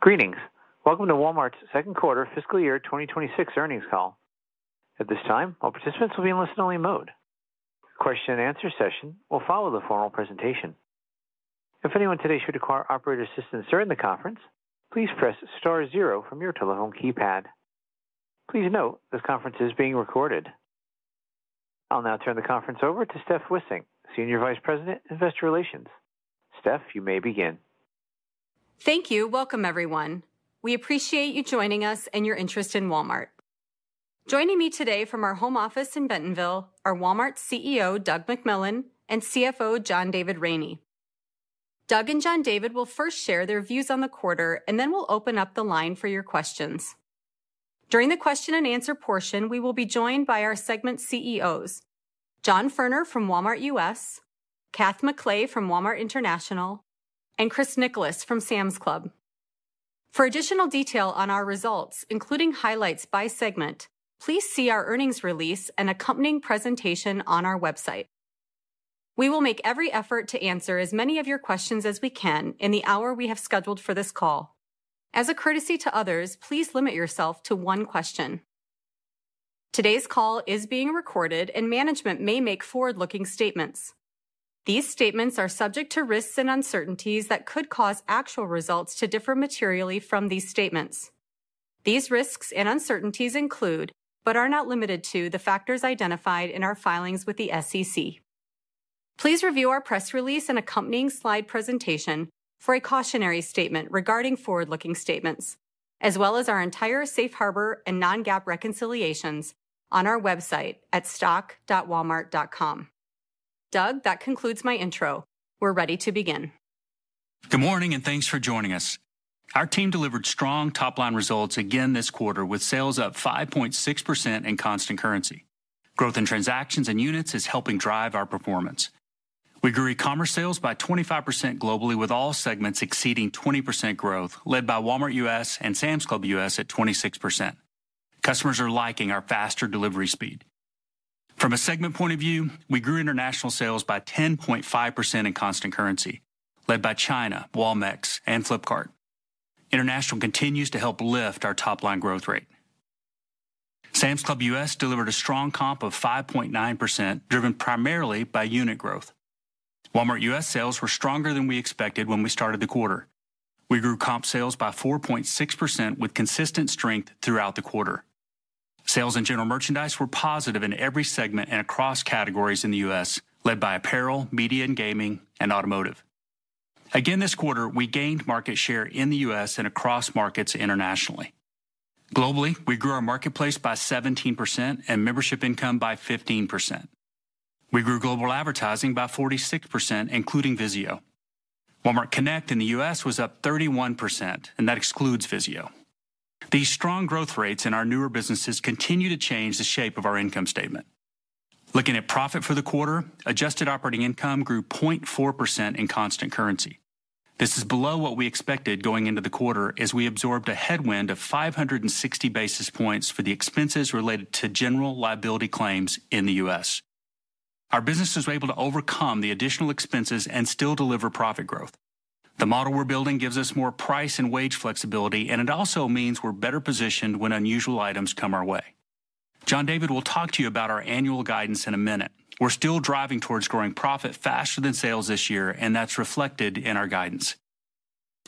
Greetings. Welcome to Walmart's second quarter fiscal year 2026 earnings call. At this time, all participants will be in listen-only mode. The question-and-answer session will follow the formal presentation. If anyone today should require operator assistance during the conference, please press Star zero from your telephone keypad. Please note this conference is being recorded. I'll now turn the conference over to Steph Wissink, Senior Vice President, Investor Relations. Steph, you may begin. Thank you. Welcome, everyone. We appreciate you joining us and your interest in Walmart. Joining me today from our home office in Bentonville are Walmart's CEO, Doug McMillon, and CFO, John David Rainey. Doug and John David will first share their views on the quarter, and then we'll open up the line for your questions. During the question and answer portion, we will be joined by our segment CEOs: John Furner from Walmart U.S., Kath McLay from Walmart International, and Chris Nicholas from Sam's Club. For additional detail on our results, including highlights by segment, please see our earnings release and accompanying presentation on our website. We will make every effort to answer as many of your questions as we can in the hour we have scheduled for this call. As a courtesy to others, please limit yourself to one question. Today's call is being recorded, and management may make forward-looking statements. These statements are subject to risks and uncertainties that could cause actual results to differ materially from these statements. These risks and uncertainties include, but are not limited to, the factors identified in our filings with the SEC. Please review our press release and accompanying slide presentation for a cautionary statement regarding forward-looking statements, as well as our entire safe harbor and non-GAAP reconciliations on our website at stock.walmart.com. Doug, that concludes my intro. We're ready to begin. Good morning and thanks for joining us. Our team delivered strong top-line results again this quarter, with sales up 5.6% in constant currency. Growth in transactions and units is helping drive our performance. We grew e-commerce sales by 25% globally, with all segments exceeding 20% growth, led by Walmart U.S. and Sam's Club U.S. at 26%. Customers are liking our faster delivery speed. From a segment point of view, we grew international sales by 10.5% in constant currency, led by China, Walmart, and Flipkart. International continues to help lift our top-line growth rate. Sam's Club U.S. delivered a strong comp of 5.9%, driven primarily by unit growth. Walmart U.S. sales were stronger than we expected when we started the quarter. We grew comp sales by 4.6%, with consistent strength throughout the quarter. Sales in general merchandise were positive in every segment and across categories in the U.S., led by apparel, media and gaming, and automotive. Again this quarter, we gained market share in the U.S. and across markets internationally. Globally, we grew our marketplace by 17% and membership income by 15%. We grew global advertising by 46%, including VIZIO. Walmart Connect in the U.S. was up 31%, and that excludes VIZIO. These strong growth rates in our newer businesses continue to change the shape of our income statement. Looking at profit for the quarter, adjusted operating income grew 0.4% in constant currency. This is below what we expected going into the quarter, as we absorbed a headwind of 560 basis points for the expenses related to general liability claims in the U.S. Our businesses were able to overcome the additional expenses and still deliver profit growth. The model we're building gives us more price and wage flexibility, and it also means we're better positioned when unusual items come our way. John David will talk to you about our annual guidance in a minute. We're still driving towards growing profit faster than sales this year, and that's reflected in our guidance.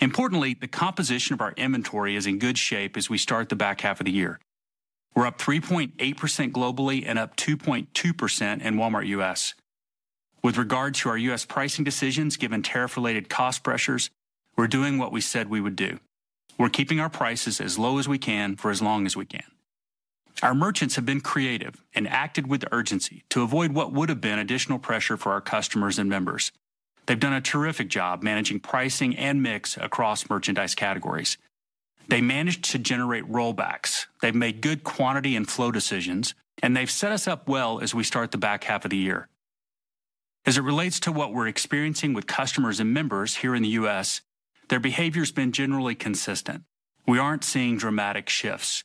Importantly, the composition of our inventory is in good shape as we start the back half of the year. We're up 3.8% globally and up 2.2% in Walmart U.S. With regard to our U.S. pricing decisions, given tariff-related cost pressures, we're doing what we said we would do. We're keeping our prices as low as we can for as long as we can. Our merchants have been creative and acted with urgency to avoid what would have been additional pressure for our customers and members. They've done a terrific job managing pricing and mix across merchandise categories. They managed to generate rollbacks. They've made good quantity and flow decisions, and they've set us up well as we start the back half of the year. As it relates to what we're experiencing with customers and members here in the U.S., their behavior's been generally consistent. We aren't seeing dramatic shifts.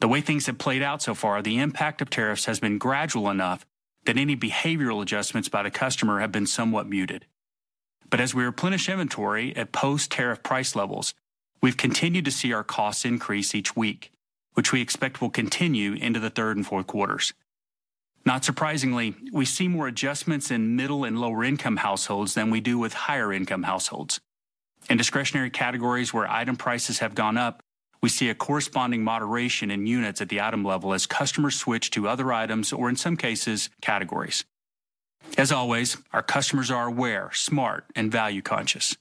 The way things have played out so far, the impact of tariffs has been gradual enough that any behavioral adjustments by the customer have been somewhat muted. As we replenish inventory at post-tariff price levels, we've continued to see our costs increase each week, which we expect will continue into the third and fourth quarters. Not surprisingly, we see more adjustments in middle and lower-income households than we do with higher-income households. In discretionary categories where item prices have gone up, we see a corresponding moderation in units at the item level as customers switch to other items, or in some cases, categories. As always, our customers are aware, smart, and value-conscious.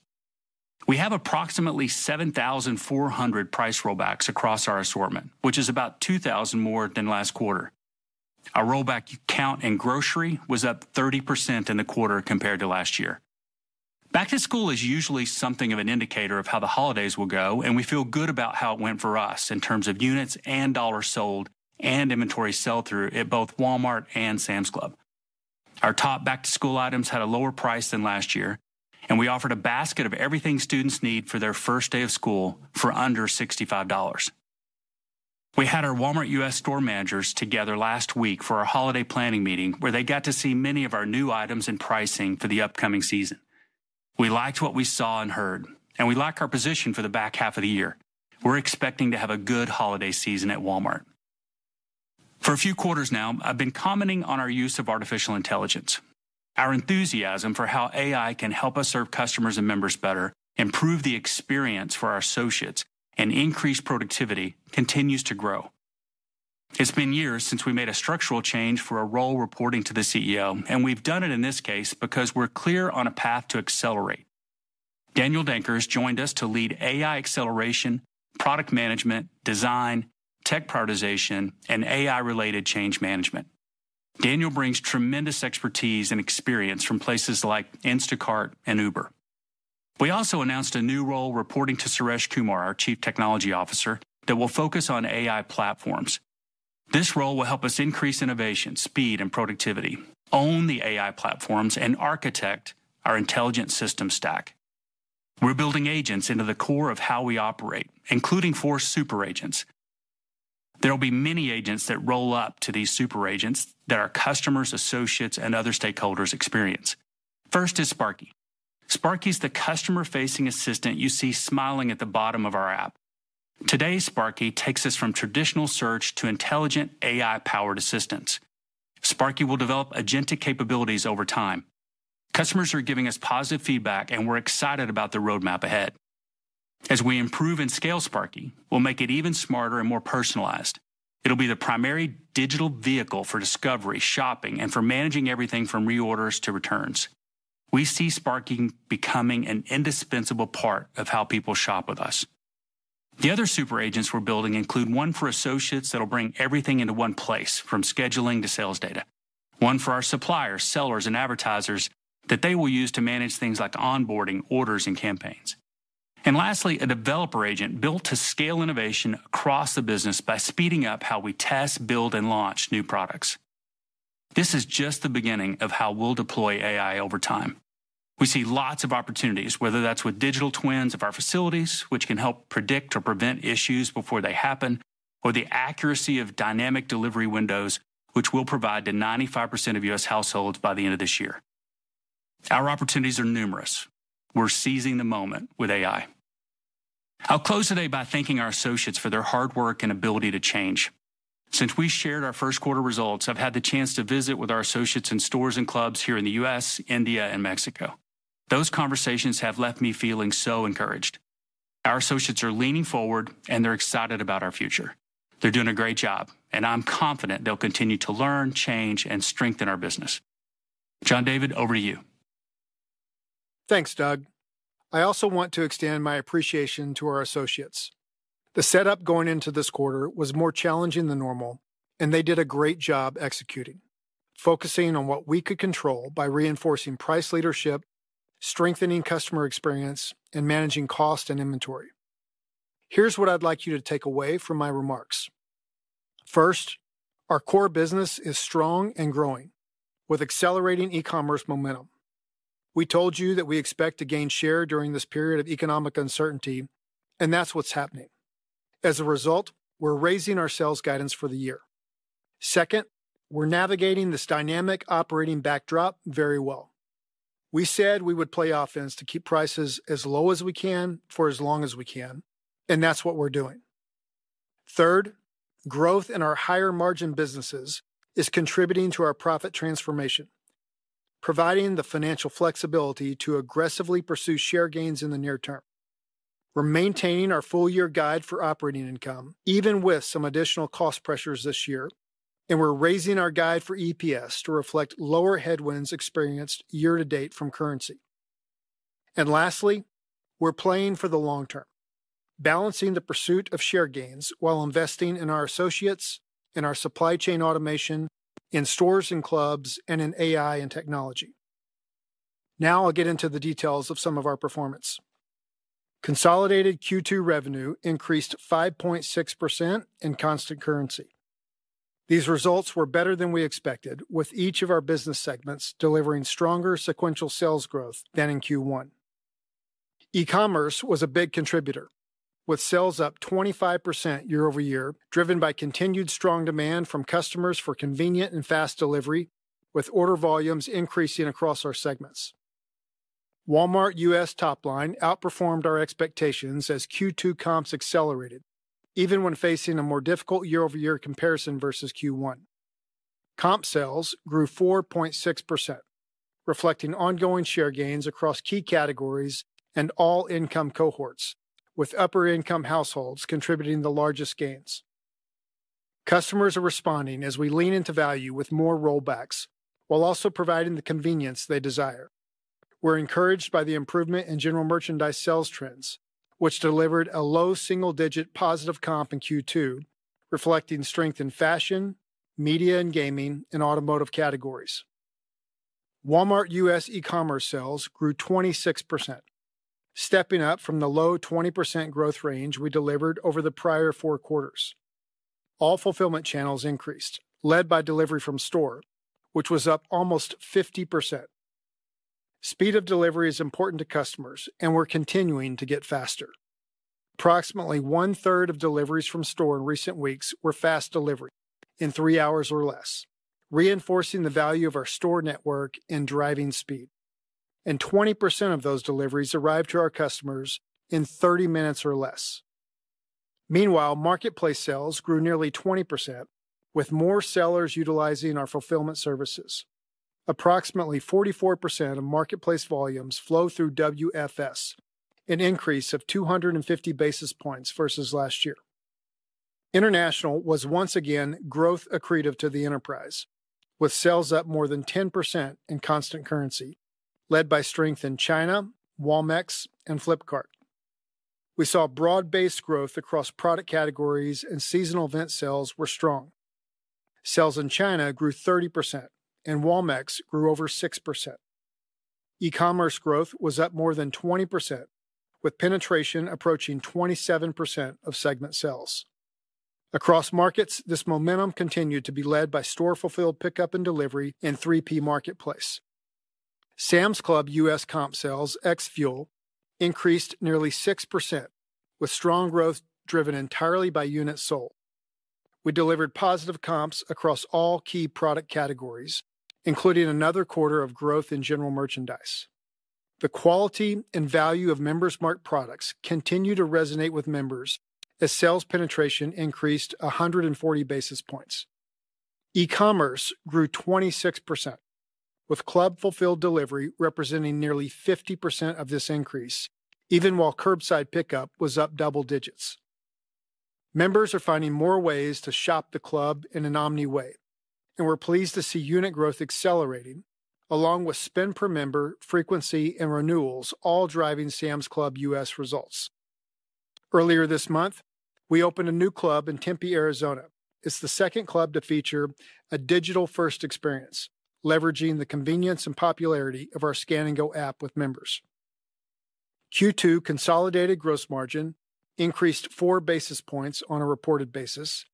We have approximately 7,400 price rollbacks across our assortment, which is about 2,000 more than last quarter. Our rollback count in grocery was up 30% in the quarter compared to last year. Back to school is usually something of an indicator of how the holidays will go, and we feel good about how it went for us in terms of units and dollars sold and inventory sell-through at both Walmart and Sam's Club. Our top back-to-school items had a lower price than last year, and we offered a basket of everything students need for their first day of school for under $65. We had our Walmart U.S. store managers together last week for a holiday planning meeting where they got to see many of our new items and pricing for the upcoming season. We liked what we saw and heard, and we like our position for the back half of the year. We're expecting to have a good holiday season at Walmart. For a few quarters now, I've been commenting on our use of artificial intelligence. Our enthusiasm for how AI can help us serve customers and members better, improve the experience for our associates, and increase productivity continues to grow. It's been years since we made a structural change for a role reporting to the CEO, and we've done it in this case because we're clear on a path to accelerate. Daniel Denkers joined us to lead AI acceleration, product management, design, tech prioritization, and AI-related change management. Daniel brings tremendous expertise and experience from places like Instacart and Uber. We also announced a new role reporting to Suresh Kumar, our Chief Technology Officer, that will focus on AI platforms. This role will help us increase innovation, speed, and productivity, own the AI platforms, and architect our intelligent system stack. We're building agents into the core of how we operate, including four super agents. There will be many agents that roll up to these super agents that our customers, associates, and other stakeholders experience. First is Sparky. Sparky is the customer-facing assistant you see smiling at the bottom of our app. Today, Sparky takes us from traditional search to intelligent AI-powered assistants. Sparky will develop agentic capabilities over time. Customers are giving us positive feedback, and we're excited about the roadmap ahead. As we improve and scale Sparky, we'll make it even smarter and more personalized. It'll be the primary digital vehicle for discovery, shopping, and for managing everything from reorders to returns. We see Sparky becoming an indispensable part of how people shop with us. The other super agents we're building include one for associates that'll bring everything into one place, from scheduling to sales data, one for our suppliers, sellers, and advertisers that they will use to manage things like onboarding, orders, and campaigns. Lastly, a developer agent built to scale innovation across the business by speeding up how we test, build, and launch new products. This is just the beginning of how we'll deploy AI over time. We see lots of opportunities, whether that's with digital twins of our facilities, which can help predict or prevent issues before they happen, or the accuracy of dynamic delivery windows, which will provide to 95% of U.S. households by the end of this year. Our opportunities are numerous. We're seizing the moment with AI. I'll close today by thanking our associates for their hard work and ability to change. Since we shared our first quarter results, I've had the chance to visit with our associates in stores and clubs here in the U.S., India, and Mexico. Those conversations have left me feeling so encouraged. Our associates are leaning forward, and they're excited about our future. They're doing a great job, and I'm confident they'll continue to learn, change, and strengthen our business. John David, over to you. Thanks, Doug. I also want to extend my appreciation to our associates. The setup going into this quarter was more challenging than normal, and they did a great job executing, focusing on what we could control by reinforcing price leadership, strengthening customer experience, and managing cost and inventory. Here's what I'd like you to take away from my remarks. First, our core business is strong and growing, with accelerating e-commerce momentum. We told you that we expect to gain share during this period of economic uncertainty, and that's what's happening. As a result, we're raising our sales guidance for the year. Second, we're navigating this dynamic operating backdrop very well. We said we would play offense to keep prices as low as we can for as long as we can, and that's what we're doing. Third, growth in our higher margin businesses is contributing to our profit transformation, providing the financial flexibility to aggressively pursue share gains in the near-term. We're maintaining our full-year guide for operating income, even with some additional cost pressures this year, and we're raising our guide for EPS to reflect lower headwinds experienced year-to-date from currency. Lastly, we're playing for the long-term, balancing the pursuit of share gains while investing in our associates, in our supply chain automation, in stores and clubs, and in AI and technology. Now I'll get into the details of some of our performance. Consolidated Q2 revenue increased 5.6% in constant currency. These results were better than we expected, with each of our business segments delivering stronger sequential sales growth than in Q1. E-commerce was a big contributor, with sales up 25% year-over-year, driven by continued strong demand from customers for convenient and fast delivery, with order volumes increasing across our segments. Walmart U.S. top line outperformed our expectations as Q2 comps accelerated, even when facing a more difficult year-over-year comparison versus Q1. Comp sales grew 4.6%, reflecting ongoing share gains across key categories and all income cohorts, with upper-income households contributing the largest gains. Customers are responding as we lean into value with more rollbacks, while also providing the convenience they desire. We're encouraged by the improvement in general merchandise sales trends, which delivered a low single-digit positive comp in Q2, reflecting strength in fashion, media, and gaming in automotive categories. Walmart U.S. e-commerce sales grew 26%, stepping up from the low 20% growth range we delivered over the prior four quarters. All fulfillment channels increased, led by delivery from store, which was up almost 50%. Speed of delivery is important to customers, and we're continuing to get faster. Approximately, 1/3 of deliveries from store in recent weeks were fast delivery, in three hours or less, reinforcing the value of our store network and driving speed. 20% of those deliveries arrived to our customers in 30 minutes or less. Meanwhile, marketplace sales grew nearly 20%, with more sellers utilizing our fulfillment services. Approximately 44% of marketplace volumes flow through WFS, an increase of 250 basis points versus last year. International was once again growth accretive to the enterprise, with sales up more than 10% in constant currency, led by strength in China, Walmart, and Flipkart. We saw broad-based growth across product categories, and seasonal event sales were strong. Sales in China grew 30%, and Walmart grew over 6%. E-commerce growth was up more than 20%, with penetration approaching 27% of segment sales. Across markets, this momentum continued to be led by store-fulfilled pickup and delivery in 3P marketplace. Sam's Club U.S. comp sales ex-fuel increased nearly 6%, with strong growth driven entirely by unit sold. We delivered positive comps across all key product categories, including another quarter of growth in general merchandise. The quality and value of members' marked products continue to resonate with members as sales penetration increased 140 basis points. E-commerce grew 26%, with club-fulfilled delivery representing nearly 50% of this increase, even while curbside pickup was up double-digits. Members are finding more ways to shop the club in an omni way, and we're pleased to see unit growth accelerating along with spend per member, frequency, and renewals, all driving Sam's Club U.S. results. Earlier this month, we opened a new club in Tempe, Arizona. It's the second club to feature a digital-first experience, leveraging the convenience and popularity Scan & Go app with members. Q2 consolidated gross margin increased 4 basis points on a reported basis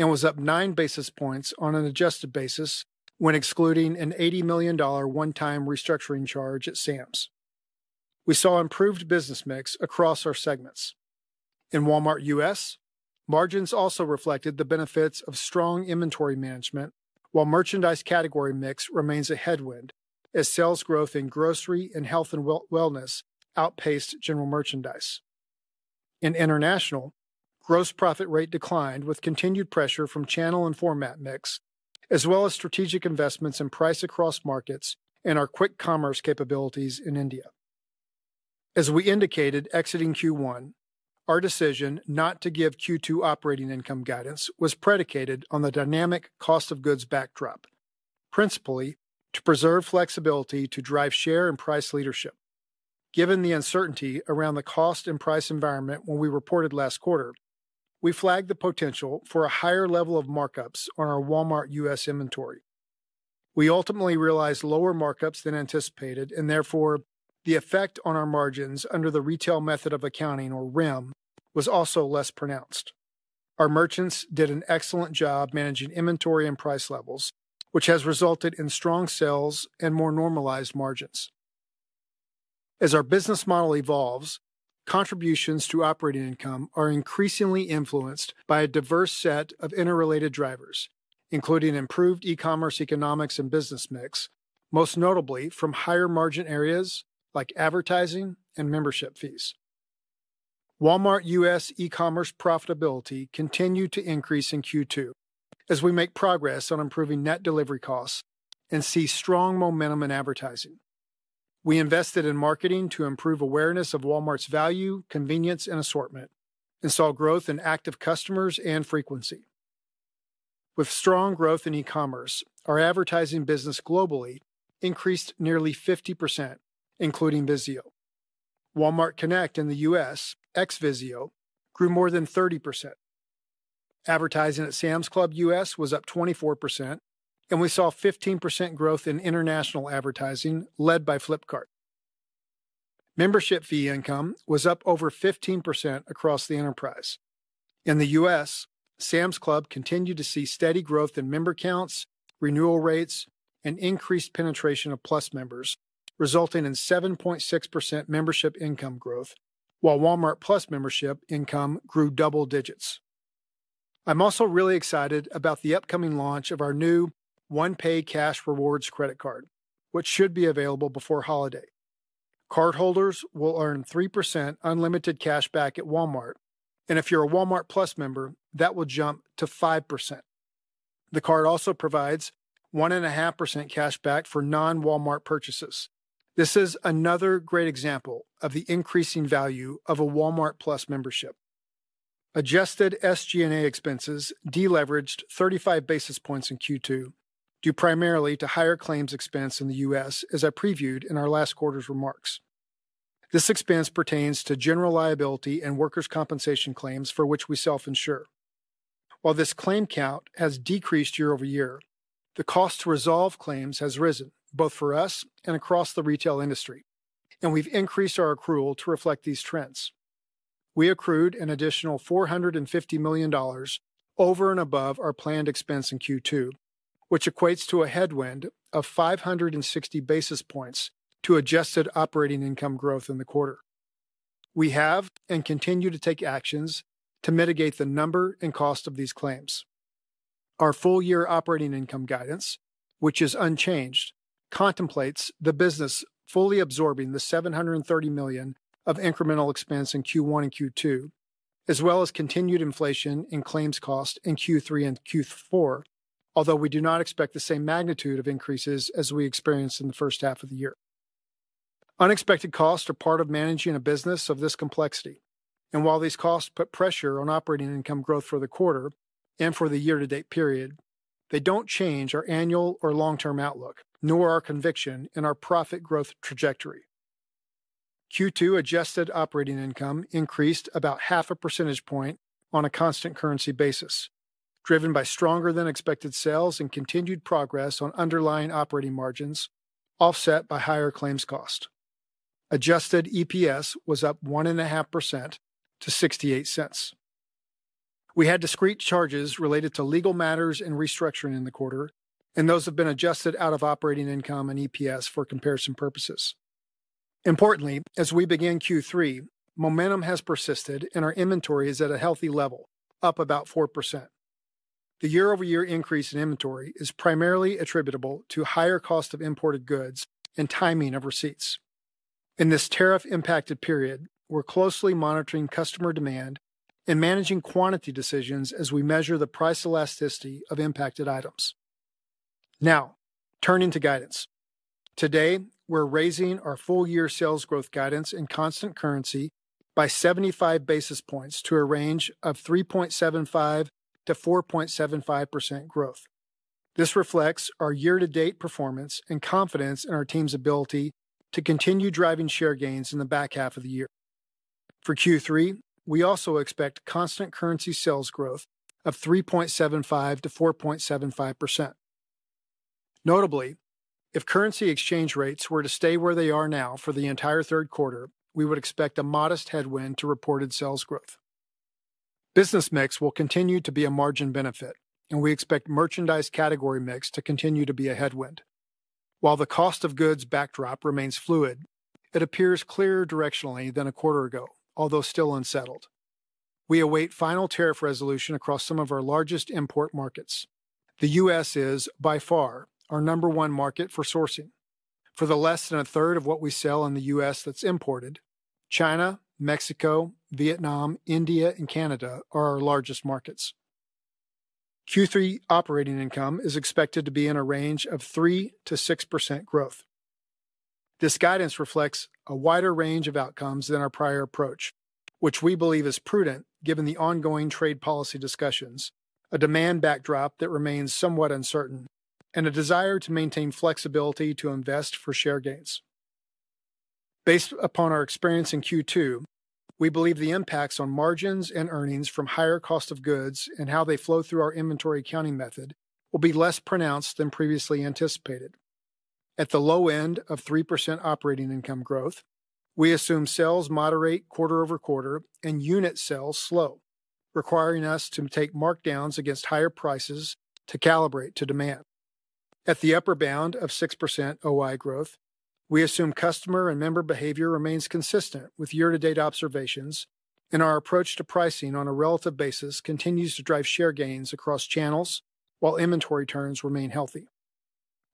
and was up 9 basis points on an adjusted basis when excluding an $80 million one-time restructuring charge at Sam's. We saw improved business mix across our segments. In Walmart U.S., margins also reflected the benefits of strong inventory management, while merchandise category mix remains a headwind as sales growth in grocery and health and wellness outpaced general merchandise. In International, gross profit rate declined with continued pressure from channel and format mix, as well as strategic investments in price across markets and our quick commerce capabilities in India. As we indicated exiting Q1, our decision not to give Q2 operating income guidance was predicated on the dynamic cost of goods backdrop, principally to preserve flexibility to drive share and price leadership. Given the uncertainty around the cost and price environment when we reported last quarter, we flagged the potential for a higher level of markups on our Walmart U.S. inventory. We ultimately realized lower markups than anticipated, and therefore the effect on our margins under the retail method of accounting, or REM, was also less pronounced. Our merchants did an excellent job managing inventory and price levels, which has resulted in strong sales and more normalized margins. As our business model evolves, contributions to operating income are increasingly influenced by a diverse set of interrelated drivers, including improved e-commerce economics and business mix, most notably from higher margin areas like advertising and membership fees. Walmart U.S. e-commerce profitability continued to increase in Q2 as we make progress on improving net delivery costs and see strong momentum in advertising. We invested in marketing to improve awareness of Walmart's value, convenience, and assortment, and saw growth in active customers and frequency. With strong growth in e-commerce, our advertising business globally increased nearly 50%, including VIZIO. Walmart Connect in the U.S., ex-VIZIO, grew more than 30%. Advertising at Sam's Club U.S. was up 24%, and we saw 15% growth in International advertising, led by Flipkart. Membership fee income was up over 15% across the enterprise. In the U.S., Sam's Club continued to see steady growth in member counts, renewal rates, and increased penetration of Plus members, resulting in 7.6% membership income growth, while Walmart+ membership income grew double-digits. I'm also really excited about the upcoming launch of our new OnePay Cash Rewards credit card, which should be available before holiday. Card holders will earn 3% unlimited cashback at Walmart, and if you're a Walmart+ member, that will jump to 5%. The card also provides 1.5% cashback for non-Walmart purchases. This is another great example of the increasing value of a Walmart+ membership. Adjusted SG&A expenses deleveraged 35 basis points in Q2, due primarily to higher claims expense in the U.S., as I previewed in our last quarter's remarks. This expense pertains to general liability and workers' compensation claims for which we self-insure. While this claim count has decreased year-over-year, the cost to resolve claims has risen, both for us and across the retail industry, and we've increased our accrual to reflect these trends. We accrued an additional $450 million over and above our planned expense in Q2, which equates to a headwind of 560 basis points to adjusted operating income growth in the quarter. We have and continue to take actions to mitigate the number and cost of these claims. Our full-year operating income guidance, which is unchanged, contemplates the business fully absorbing the $730 million of incremental expense in Q1 and Q2, as well as continued inflation in claims cost in Q3 and Q4, although we do not expect the same magnitude of increases as we experienced in the first half of the year. Unexpected costs are part of managing a business of this complexity, and while these costs put pressure on operating income growth for the quarter and for the year-to-date period, they don't change our annual or long-term outlook, nor our conviction in our profit growth trajectory. Q2 adjusted operating income increased about half a percentage point on a constant currency basis, driven by stronger than expected sales and continued progress on underlying operating margins, offset by higher claims cost. Adjusted EPS was up 1.5% to $0.68. We had discrete charges related to legal matters and restructuring in the quarter, and those have been adjusted out of operating income and EPS for comparison purposes. Importantly, as we begin Q3, momentum has persisted, and our inventory is at a healthy level, up about 4%. The year-over-year increase in inventory is primarily attributable to higher cost of imported goods and timing of receipts. In this tariff-impacted period, we're closely monitoring customer demand and managing quantity decisions as we measure the price elasticity of impacted items. Now, turning to guidance. Today, we're raising our full-year sales growth guidance in constant currency by 75 basis points to a range of 3.75%-4.75% growth. This reflects our year-to-date performance and confidence in our team's ability to continue driving share gains in the back half of the year. For Q3, we also expect constant currency sales growth of 3.75%-4.75%. Notably, if currency exchange rates were to stay where they are now for the entire third quarter, we would expect a modest headwind to reported sales growth. Business mix will continue to be a margin benefit, and we expect merchandise category mix to continue to be a headwind. While the cost of goods backdrop remains fluid, it appears clearer directionally than a quarter ago, although still unsettled. We await final tariff resolution across some of our largest import markets. The U.S. is, by far, our number one market for sourcing. For the less than a third of what we sell in the U.S. that's imported, China, Mexico, Vietnam, India, and Canada are our largest markets. Q3 operating income is expected to be in a range of 3%-6% growth. This guidance reflects a wider range of outcomes than our prior approach, which we believe is prudent given the ongoing trade policy discussions, a demand backdrop that remains somewhat uncertain, and a desire to maintain flexibility to invest for share gains. Based upon our experience in Q2, we believe the impacts on margins and earnings from higher cost of goods and how they flow through our inventory accounting method will be less pronounced than previously anticipated. At the low end of 3% operating income growth, we assume sales moderate quarter-over-quarter and unit sales slow, requiring us to take markdowns against higher prices to calibrate to demand. At the upper bound of 6% OI growth, we assume customer and member behavior remains consistent with year-to-date observations, and our approach to pricing on a relative basis continues to drive share gains across channels while inventory turns remain healthy.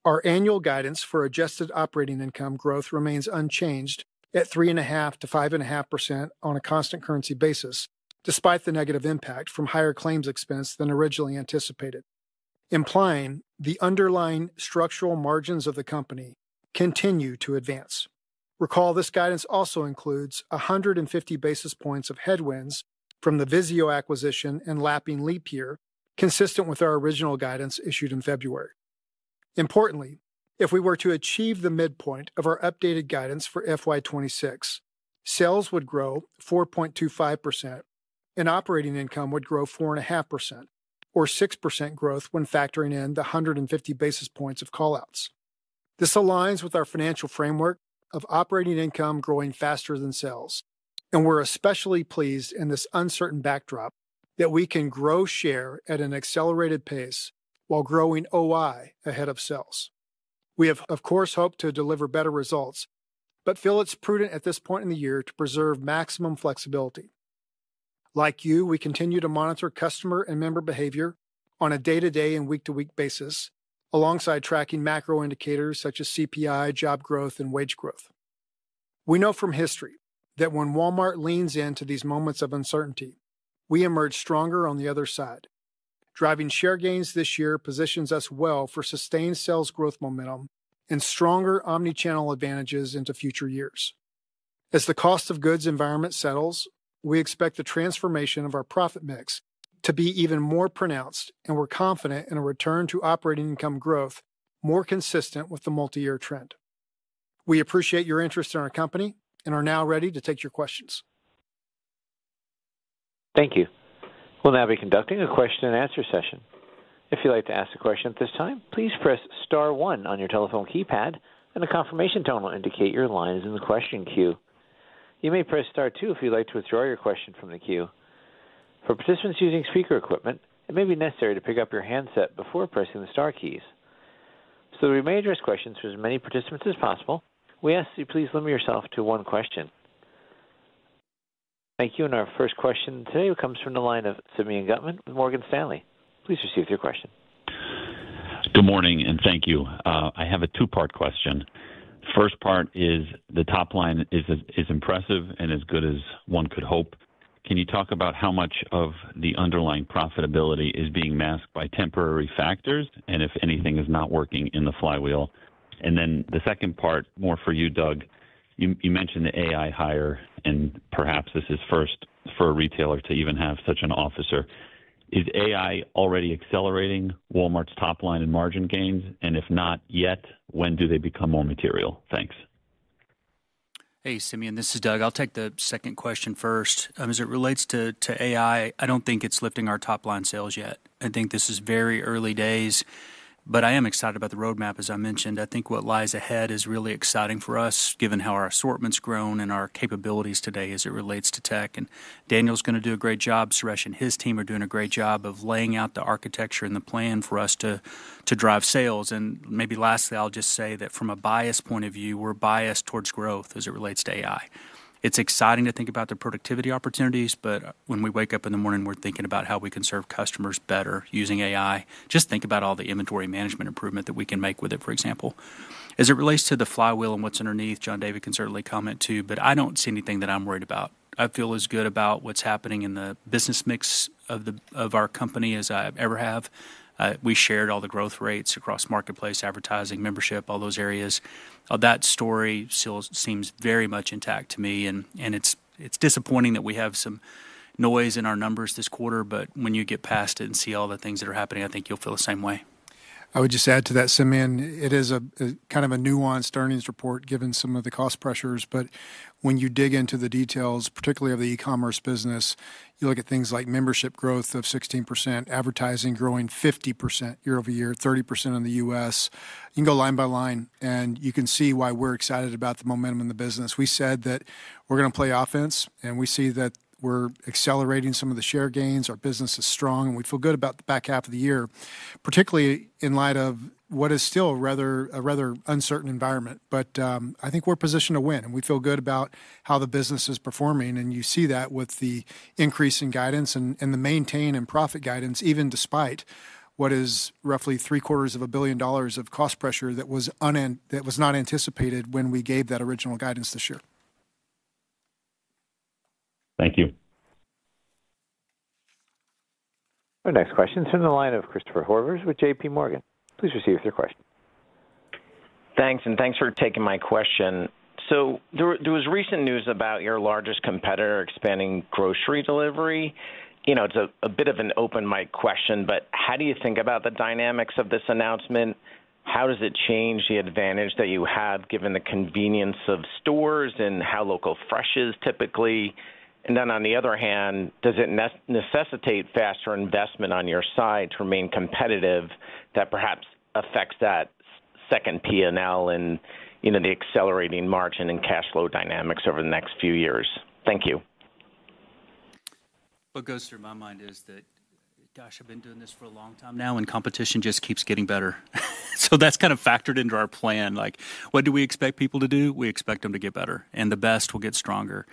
Our annual guidance for adjusted operating income growth remains unchanged at 3.5%-5.5% on a constant currency basis, despite the negative impact from higher claims expense than originally anticipated, implying the underlying structural margins of the company continue to advance. Recall this guidance also includes 150 basis points of headwinds from the VIZIO acquisition and lapping leap year, consistent with our original guidance issued in February. Importantly, if we were to achieve the midpoint of our updated guidance for FY 2026, sales would grow 4.25% and operating income would grow 4.5%, or 6% growth when factoring in the 150 basis points of callouts. This aligns with our financial framework of operating income growing faster than sales, and we're especially pleased in this uncertain backdrop that we can grow share at an accelerated pace while growing operating income ahead of sales. We have, of course, hoped to deliver better results, but feel it's prudent at this point in the year to preserve maximum flexibility. Like you, we continue to monitor customer and member behavior on a day-to-day and week-to-week basis, alongside tracking macro indicators such as CPI, job growth, and wage growth. We know from history that when Walmart leans into these moments of uncertainty, we emerge stronger on the other side. Driving share gains this year positions us well for sustained sales growth momentum and stronger omnichannel advantages into future years. As the cost of goods environment settles, we expect the transformation of our profit mix to be even more pronounced, and we're confident in a return to operating income growth more consistent with the multi-year trend. We appreciate your interest in our company and are now ready to take your questions. Thank you. We'll now be conducting a question and answer session. If you'd like to ask a question at this time, please press Star one on your telephone keypad, and a confirmation tone will indicate your line is in the question queue. You may press Star two if you'd like to withdraw your question from the queue. For participants using speaker equipment, it may be necessary to pick up your handset before pressing the star keys. So that we may address questions from as many participants as possible, we ask that you please limit yourself to one question. Thank you. Our first question today comes from the line of Simeon Gutman with Morgan Stanley. Please receive your question. Good morning, and thank you. I have a two-part question. The first part is the top line is impressive and as good as one could hope. Can you talk about how much of the underlying profitability is being masked by temporary factors, and if anything is not working in the flywheel? The second part, more for you, Doug. You mentioned the AI hire, and perhaps this is first for a retailer to even have such an officer. Is AI already accelerating Walmart's top line and margin gains? If not yet, when do they become more material? Thanks. Hey, Simeon. This is Doug. I'll take the second question first. As it relates to AI, I don't think it's lifting our top line sales yet. I think this is very early days, but I am excited about the roadmap. As I mentioned, I think what lies ahead is really exciting for us, given how our assortment's grown and our capabilities today as it relates to tech. Daniel's going to do a great job. Suresh and his team are doing a great job of laying out the architecture and the plan for us to drive sales. Maybe lastly, I'll just say that from a bias point of view, we're biased towards growth as it relates to AI. It's exciting to think about the productivity opportunities, but when we wake up in the morning, we're thinking about how we can serve customers better using AI. Just think about all the inventory management improvement that we can make with it, for example. As it relates to the flywheel and what's underneath, John David can certainly comment too, but I don't see anything that I'm worried about. I feel as good about what's happening in the business mix of our company as I ever have. We shared all the growth rates across marketplace, advertising, membership, all those areas. That story still seems very much intact to me, and it's disappointing that we have some noise in our numbers this quarter, but when you get past it and see all the things that are happening, I think you'll feel the same way. I would just add to that, Simeon. It is kind of a nuanced earnings report given some of the cost pressures, but when you dig into the details, particularly of the e-commerce business, you look at things like membership growth of 16%, advertising growing 50% year-over-year, 30% in the U.S. You can go line by line, and you can see why we're excited about the momentum in the business. We said that we're going to play offense, and we see that we're accelerating some of the share gains. Our business is strong, and we feel good about the back half of the year, particularly in light of what is still a rather uncertain environment. I think we're positioned to win, and we feel good about how the business is performing, and you see that with the increase in guidance and the maintain and profit guidance, even despite what is roughly three quarters of a billion dollars of cost pressure that was not anticipated when we gave that original guidance this year. Thank you. Our next question is from the line of Christopher Horvers with JPMorgan. Please receive your question. Thanks, and thanks for taking my question. There was recent news about your largest competitor expanding grocery delivery. It's a bit of an open mic question, but how do you think about the dynamics of this announcement? How does it change the advantage that you have, given the convenience of stores and how local fresh is typically? On the other hand, does it necessitate faster investment on your side to remain competitive that perhaps affects that second P&L and the accelerating margin and cash flow dynamics over the next few years? Thank you. What goes through my mind is that, gosh, I've been doing this for a long time now, and competition just keeps getting better. That's kind of factored into our plan. Like, what do we expect people to do? We expect them to get better, and the best will get stronger.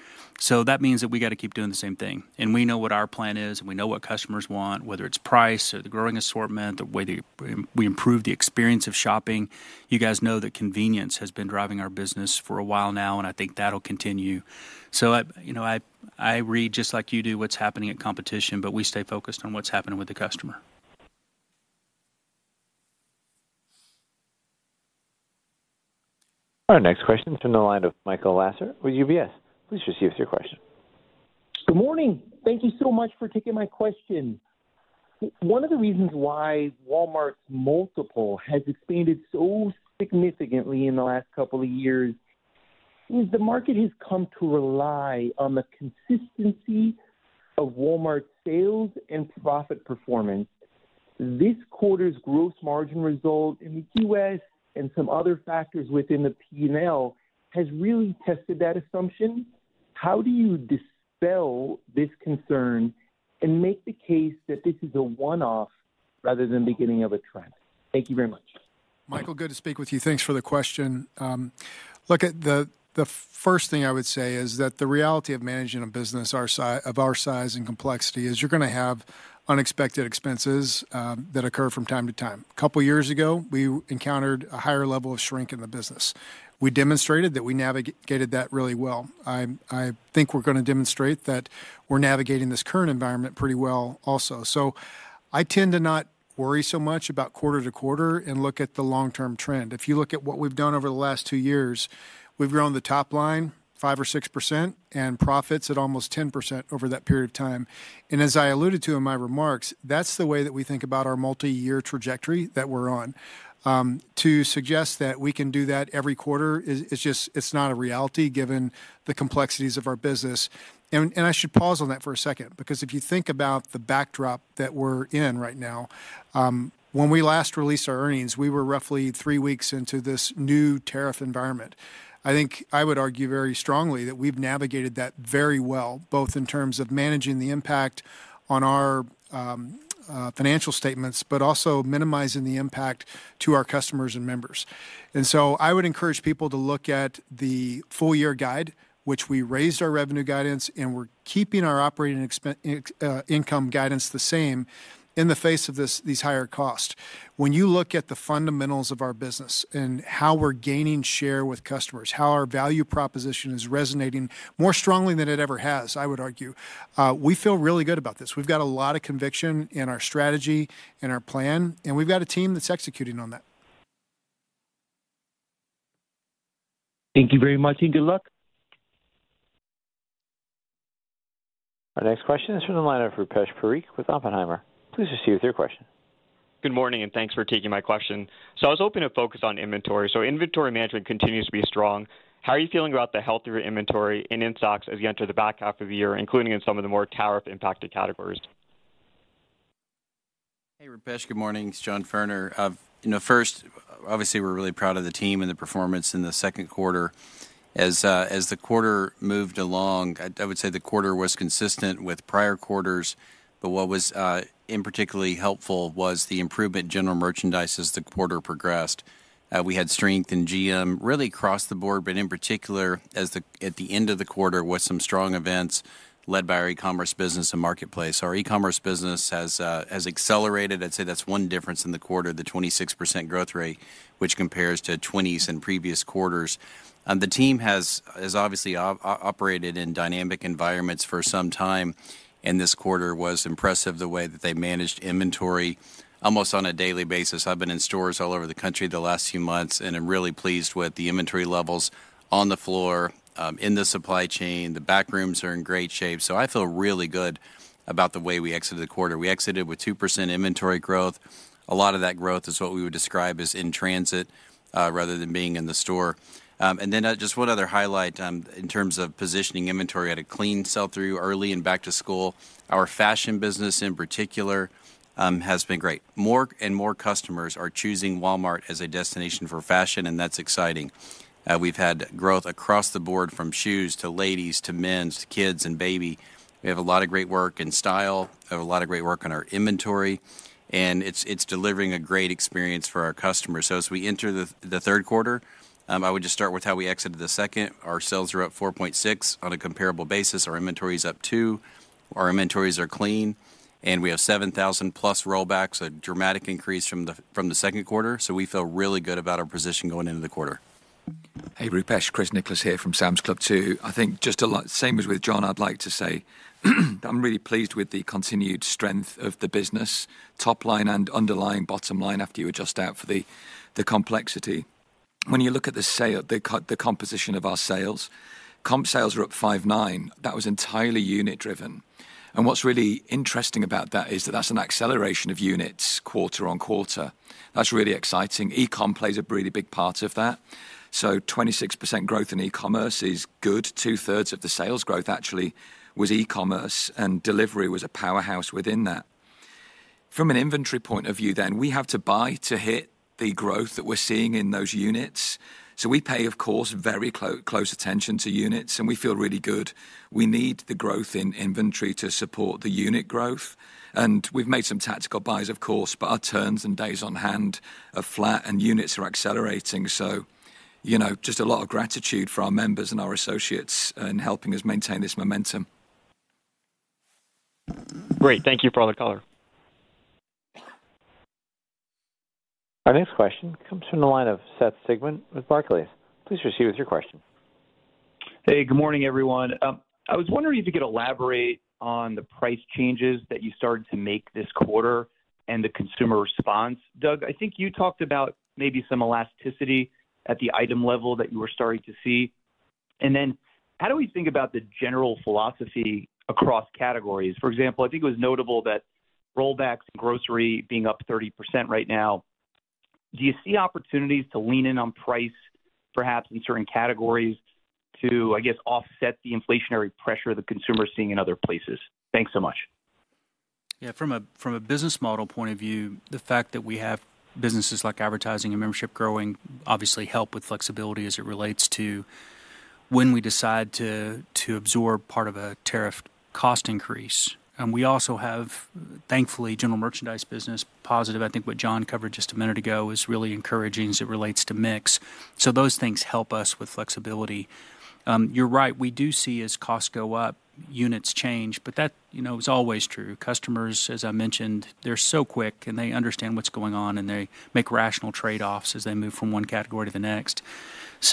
That means that we got to keep doing the same thing. We know what our plan is, and we know what customers want, whether it's price or the growing assortment, the way we improve the experience of shopping. You guys know that convenience has been driving our business for a while now, and I think that'll continue. I read just like you do what's happening at competition, but we stay focused on what's happening with the customer. Our next question is from the line of Michael Lasser with UBS. Please proceed with your question. Good morning. Thank you so much for taking my question. One of the reasons why Walmart's multiple has expanded so significantly in the last couple of years is the market has come to rely on the consistency of Walmart's sales and profit performance. This quarter's gross margin result in the U.S. and some other factors within the P&L has really tested that assumption. How do you dispel this concern and make the case that this is a one-off rather than the beginning of a trend? Thank you very much. Michael, good to speak with you. Thanks for the question. The first thing I would say is that the reality of managing a business of our size and complexity is you're going to have unexpected expenses that occur from time to time. A couple of years ago, we encountered a higher level of shrink in the business. We demonstrated that we navigated that really well. I think we're going to demonstrate that we're navigating this current environment pretty well also. I tend to not worry so much about quarter to quarter and look at the long-term trend. If you look at what we've done over the last two years, we've grown the top line 5% or 6% and profits at almost 10% over that period of time. As I alluded to in my remarks, that's the way that we think about our multi-year trajectory that we're on. To suggest that we can do that every quarter is just, it's not a reality given the complexities of our business. I should pause on that for a second because if you think about the backdrop that we're in right now, when we last released our earnings, we were roughly three weeks into this new tariff environment. I would argue very strongly that we've navigated that very well, both in terms of managing the impact on our financial statements, but also minimizing the impact to our customers and members. I would encourage people to look at the full-year guide, which we raised our revenue guidance, and we're keeping our operating income guidance the same in the face of these higher costs. When you look at the fundamentals of our business and how we're gaining share with customers, how our value proposition is resonating more strongly than it ever has, I would argue, we feel really good about this. We've got a lot of conviction in our strategy and our plan, and we've got a team that's executing on that. Thank you very much, and good luck. Our next question is from the line of Rupesh Parikh with Oppenheimer. Please proceed with your question. Good morning, and thanks for taking my question. I was hoping to focus on inventory. Inventory management continues to be strong. How are you feeling about the health of your inventory and in stocks as you enter the back half of the year, including in some of the more tariff-impacted categories? Hey, Rupesh. Good morning. It's John Furner. First, obviously, we're really proud of the team and the performance in the second quarter. As the quarter moved along, I would say the quarter was consistent with prior quarters, but what was particularly helpful was the improvement in general merchandise as the quarter progressed. We had strength in GM really across the board, but in particular, at the end of the quarter, with some strong events led by our e-commerce business and marketplace. Our e-commerce business has accelerated. I'd say that's one difference in the quarter, the 26% growth rate, which compares to 20% in previous quarters. The team has obviously operated in dynamic environments for some time, and this quarter was impressive the way that they managed inventory almost on a daily basis. I've been in stores all over the country the last few months, and I'm really pleased with the inventory levels on the floor, in the supply chain. The backrooms are in great shape. I feel really good about the way we exited the quarter. We exited with 2% inventory growth. A lot of that growth is what we would describe as in transit rather than being in the store. One other highlight in terms of positioning inventory at a clean sell-through early and back to school. Our fashion business in particular has been great. More and more customers are choosing Walmart as a destination for fashion, and that's exciting. We've had growth across the board from shoes to ladies to men's to kids and baby. We have a lot of great work in style. We have a lot of great work on our inventory, and it's delivering a great experience for our customers. As we enter the third quarter, I would just start with how we exited the second. Our sales are up 4.6% on a comparable basis. Our inventory is up 2%. Our inventories are clean, and we have 7,000+ rollbacks, a dramatic increase from the second quarter. We feel really good about our position going into the quarter. Hey, Rupesh. Chris Nicholas here from Sam's Club. I think just a lot, same as with John, I'd like to say I'm really pleased with the continued strength of the business, top line and underlying bottom line after you adjust out for the complexity. When you look at the composition of our sales, comp sales are up 5.9%. That was entirely unit-driven. What's really interesting about that is that that's an acceleration of units quarter on quarter. That's really exciting. E-commerce plays a really big part of that. 26% growth in e-commerce is good. 2/3 of the sales growth actually was e-commerce, and delivery was a powerhouse within that. From an inventory point of view, we have to buy to hit the growth that we're seeing in those units. We pay, of course, very close attention to units, and we feel really good. We need the growth in inventory to support the unit growth. We've made some tactical buys, of course, but our terms and days on hand are flat, and units are accelerating. Just a lot of gratitude for our members and our associates in helping us maintain this momentum. Great. Thank you, brother caller. Our next question comes from the line of Seth Sigman with Barclays. Please receive your question. Hey, good morning, everyone. I was wondering if you could elaborate on the price changes that you started to make this quarter and the consumer response. Doug, I think you talked about maybe some elasticity at the item level that you were starting to see. How do we think about the general philosophy across categories? For example, I think it was notable that rollbacks in grocery being up 30% right now. Do you see opportunities to lean in on price, perhaps in certain categories, to, I guess, offset the inflationary pressure the consumer is seeing in other places? Thanks so much. Yeah, from a business model point of view, the fact that we have businesses like advertising and membership growing obviously helps with flexibility as it relates to when we decide to absorb part of a tariff cost increase. We also have, thankfully, general merchandise business positive. I think what John covered just a minute ago is really encouraging as it relates to mix. Those things help us with flexibility. You're right. We do see, as costs go up, units change, but that is always true. Customers, as I mentioned, they're so quick, and they understand what's going on, and they make rational trade-offs as they move from one category to the next.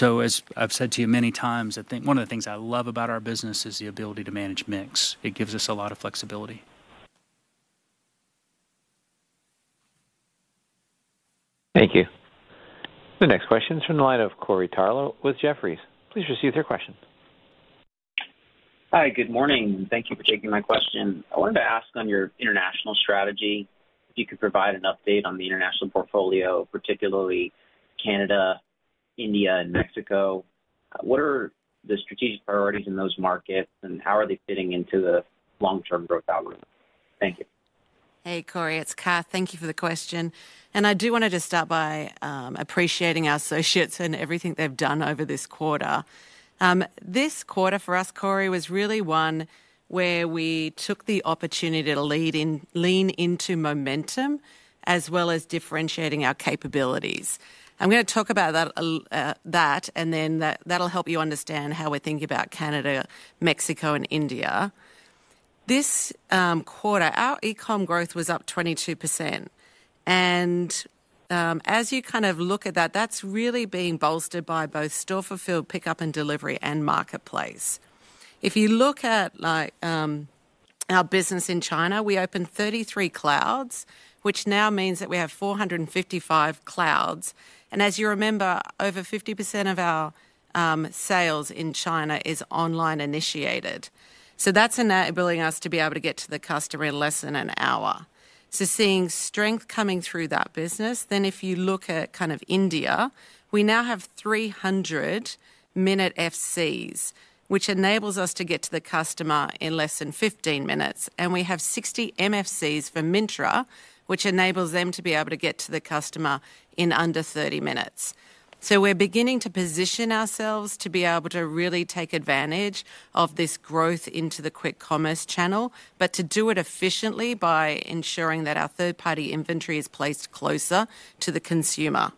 As I've said to you many times, I think one of the things I love about our business is the ability to manage mix. It gives us a lot of flexibility. Thank you. The next question is from the line of Corey Tarlowe with Jefferies. Please receive your question. Hi, good morning. Thank you for taking my question. I wanted to ask on your international strategy, if you could provide an update on the international portfolio, particularly Canada, India, and Mexico. What are the strategic priorities in those markets, and how are they fitting into the long-term growth algorithm? Hey, Corey. It's Kath. Thank you for the question. I do want to just start by appreciating our associates and everything they've done over this quarter. This quarter for us, Corey, was really one where we took the opportunity to lean into momentum as well as differentiating our capabilities. I'm going to talk about that, and that'll help you understand how we're thinking about Canada, Mexico, and India. This quarter, our e-commerce growth was up 22%. As you kind of look at that, that's really being bolstered by both store-fulfilled pickup and delivery and marketplace. If you look at our business in China, we opened 33 clouds, which now means that we have 455 clouds. As you remember, over 50% of our sales in China is online initiated. That's enabling us to be able to get to the customer in less than an hour. Seeing strength coming through that business, if you look at kind of India, we now have 300-minute FCs, which enables us to get to the customer in less than 15 minutes. We have 60 MFCs for Myntra, which enables them to be able to get to the customer in under 30 minutes. We're beginning to position ourselves to be able to really take advantage of this growth into the quick commerce channel, but to do it efficiently by ensuring that our third-party inventory is placed closer to the consumer.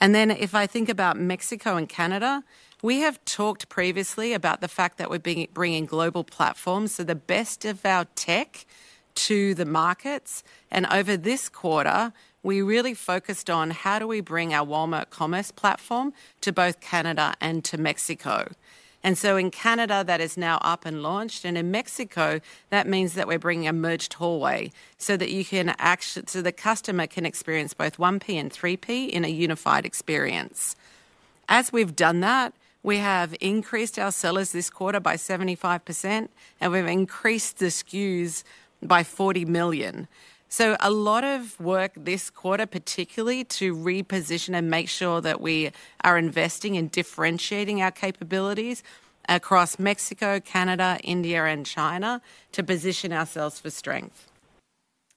If I think about Mexico and Canada, we have talked previously about the fact that we're bringing global platforms, so the best of our tech to the markets. Over this quarter, we really focused on how do we bring our Walmart commerce platform to both Canada and to Mexico. In Canada, that is now up and launched. In Mexico, that means that we're bringing a merged hallway so that you can access, so the customer can experience both 1P and 3P in a unified experience. As we've done that, we have increased our sellers this quarter by 75%, and we've increased the SKUs by 40 million. A lot of work this quarter, particularly to reposition and make sure that we are investing in differentiating our capabilities across Mexico, Canada, India, and China to position ourselves for strength.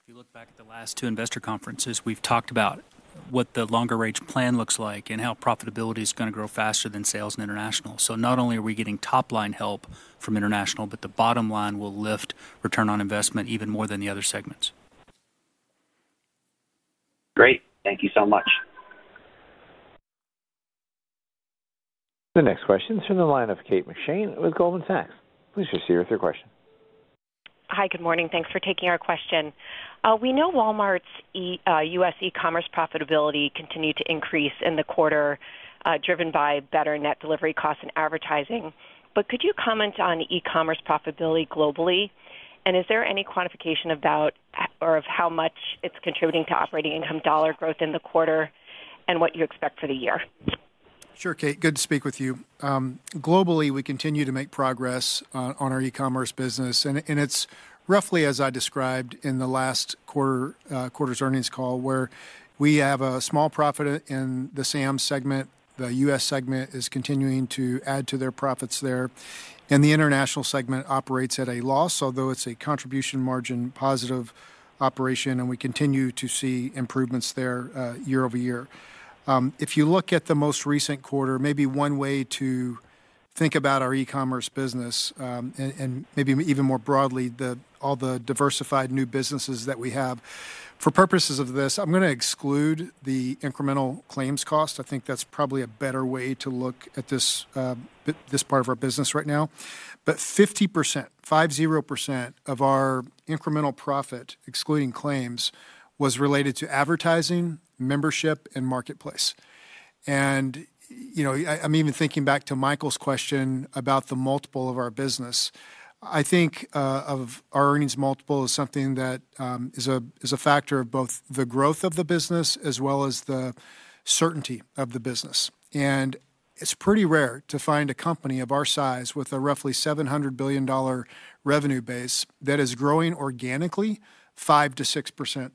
If you look back at the last two investor conferences, we've talked about what the longer-range plan looks like and how profitability is going to grow faster than sales in international. Not only are we getting top-line help from international, but the bottom line will lift return on investment even more than the other segments. Great, thank you so much. The next question is from the line of Kate McShane with Goldman Sachs. Please proceed with your question. Hi, good morning. Thanks for taking our question. We know Walmart's U.S. e-commerce profitability continued to increase in the quarter, driven by better net delivery costs and advertising. Could you comment on e-commerce profitability globally? Is there any quantification of how much it's contributing to operating income dollar growth in the quarter and what you expect for the year? Sure, Kate. Good to speak with you. Globally, we continue to make progress on our e-commerce business. It's roughly as I described in the last quarter's earnings call, where we have a small profit in the Sam's Club segment. The U.S. segment is continuing to add to their profits there. The international segment operates at a loss, although it's a contribution margin positive operation, and we continue to see improvements there year-over-year. If you look at the most recent quarter, maybe one way to think about our e-commerce business, and maybe even more broadly, all the diversified new businesses that we have. For purposes of this, I'm going to exclude the incremental claims cost. I think that's probably a better way to look at this part of our business right now. 50%, 50% of our incremental profit, excluding claims, was related to advertising, membership, and marketplace. I'm even thinking back to Michael's question about the multiple of our business. I think our earnings multiple is something that is a factor of both the growth of the business as well as the certainty of the business. It's pretty rare to find a company of our size with a roughly $700 billion revenue base that is growing organically 5% to 6%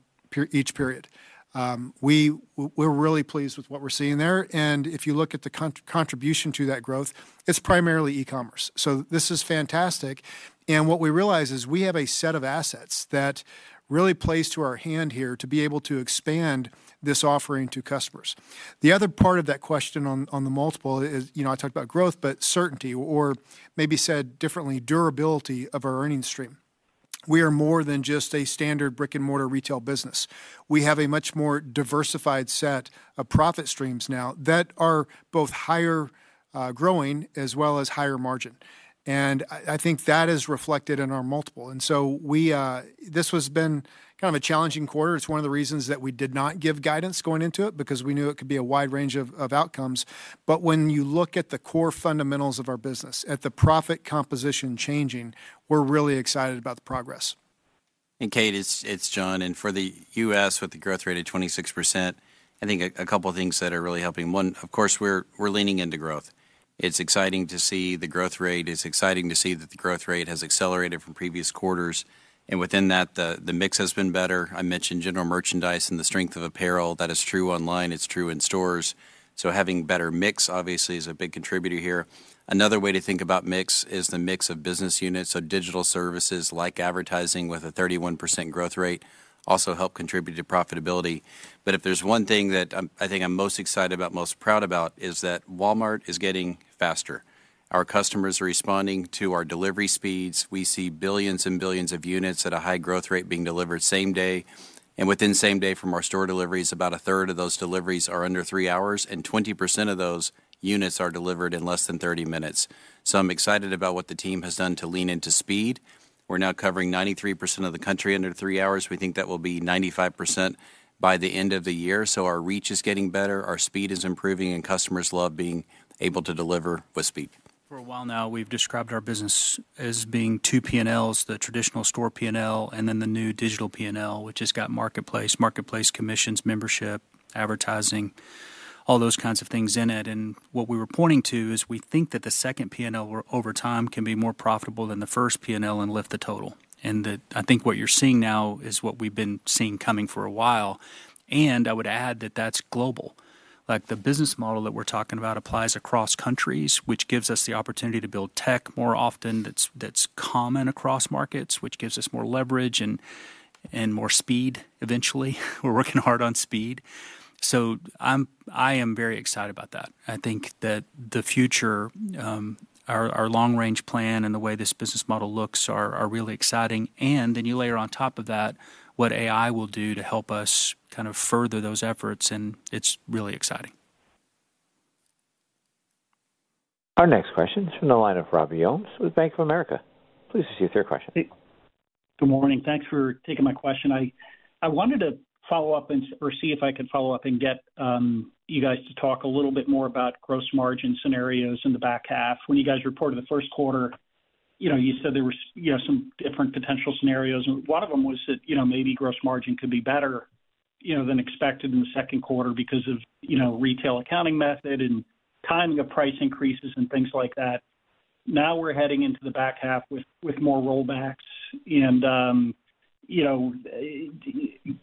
each period. We're really pleased with what we're seeing there. If you look at the contribution to that growth, it's primarily e-commerce. This is fantastic. What we realize is we have a set of assets that really plays to our hand here to be able to expand this offering to customers. The other part of that question on the multiple is, I talked about growth, but certainty, or maybe said differently, durability of our earnings stream. We are more than just a standard brick-and-mortar retail business. We have a much more diversified set of profit streams now that are both higher growing as well as higher margin. I think that is reflected in our multiple. This has been kind of a challenging quarter. It's one of the reasons that we did not give guidance going into it because we knew it could be a wide range of outcomes. When you look at the core fundamentals of our business, at the profit composition changing, we're really excited about the progress. Kate, it's John. For the U.S., with the growth rate at 26%, I think a couple of things are really helping. One, of course, we're leaning into growth. It's exciting to see the growth rate. It's exciting to see that the growth rate has accelerated from previous quarters. Within that, the mix has been better. I mentioned general merchandise and the strength of apparel. That is true online. It's true in stores. Having a better mix, obviously, is a big contributor here. Another way to think about mix is the mix of business units. Digital services like advertising with a 31% growth rate also help contribute to profitability. If there's one thing that I think I'm most excited about, most proud about, it's that Walmart is getting faster. Our customers are responding to our delivery speeds. We see billions and billions of units at a high growth rate being delivered same day. Within the same day from our store deliveries, about 1/3 of those deliveries are under three hours, and 20% of those units are delivered in less than 30 minutes. I'm excited about what the team has done to lean into speed. We're now covering 93% of the country under three hours. We think that will be 95% by the end of the year. Our reach is getting better. Our speed is improving, and customers love being able to deliver with speed. For a while now, we've described our business as being two P&Ls: the traditional store P&L and then the new digital P&L, which has got marketplace, marketplace commissions, membership, advertising, all those kinds of things in it. What we were pointing to is we think that the second P&L over time can be more profitable than the first P&L and lift the total. I think what you're seeing now is what we've been seeing coming for a while. I would add that that's global. The business model that we're talking about applies across countries, which gives us the opportunity to build tech more often. That's common across markets, which gives us more leverage and more speed eventually. We're working hard on speed. I am very excited about that. I think that the future, our long-range plan and the way this business model looks are really exciting. You layer on top of that what AI will do to help us kind of further those efforts, and it's really exciting. Our next question is from the line of Robbie Ohmes with Bank of America. Please proceed with your question. Good morning. Thanks for taking my question. I wanted to follow up and see if I could get you guys to talk a little bit more about gross margin scenarios in the back half. When you guys reported the first quarter, you said there were some different potential scenarios. One of them was that maybe gross margin could be better than expected in the second quarter because of retail accounting method and timing of price increases and things like that. Now we're heading into the back half with more rollbacks.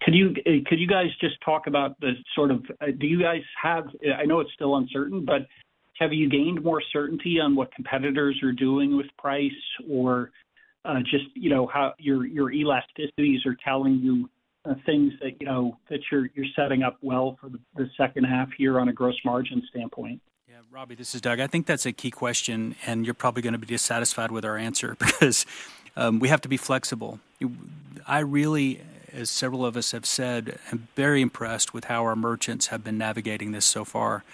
Could you guys just talk about the sort of, do you guys have, I know it's still uncertain, but have you gained more certainty on what competitors are doing with price or just how your elasticities are telling you things that you're setting up well for the second half year on a gross margin standpoint? Yeah, Robby, this is Doug. I think that's a key question, and you're probably going to be dissatisfied with our answer because we have to be flexible. I really, as several of us have said, am very impressed with how our merchants have been navigating this so far.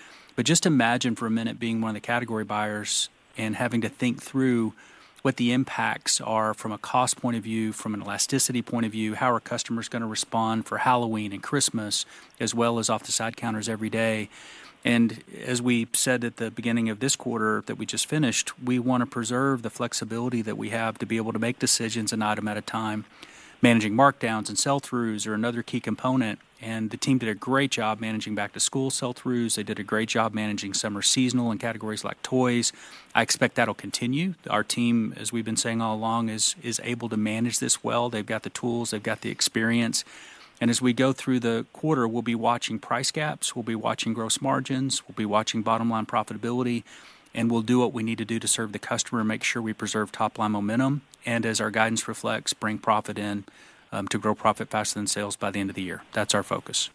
Just imagine for a minute being one of the category buyers and having to think through what the impacts are from a cost point of view, from an elasticity point of view, how are customers going to respond for Halloween and Christmas, as well as off the side counters every day. As we said at the beginning of this quarter that we just finished, we want to preserve the flexibility that we have to be able to make decisions an item at a time. Managing markdowns and sell-throughs are another key component. The team did a great job managing back-to-school sell-throughs. They did a great job managing summer seasonal and categories like toys. I expect that'll continue. Our team, as we've been saying all along, is able to manage this well. They've got the tools. They've got the experience. As we go through the quarter, we'll be watching price gaps. We'll be watching gross margins. We'll be watching bottom line profitability. We'll do what we need to do to serve the customer and make sure we preserve top line momentum. As our guidance reflects, bring profit in to grow profit faster than sales by the end of the year. That's our focus.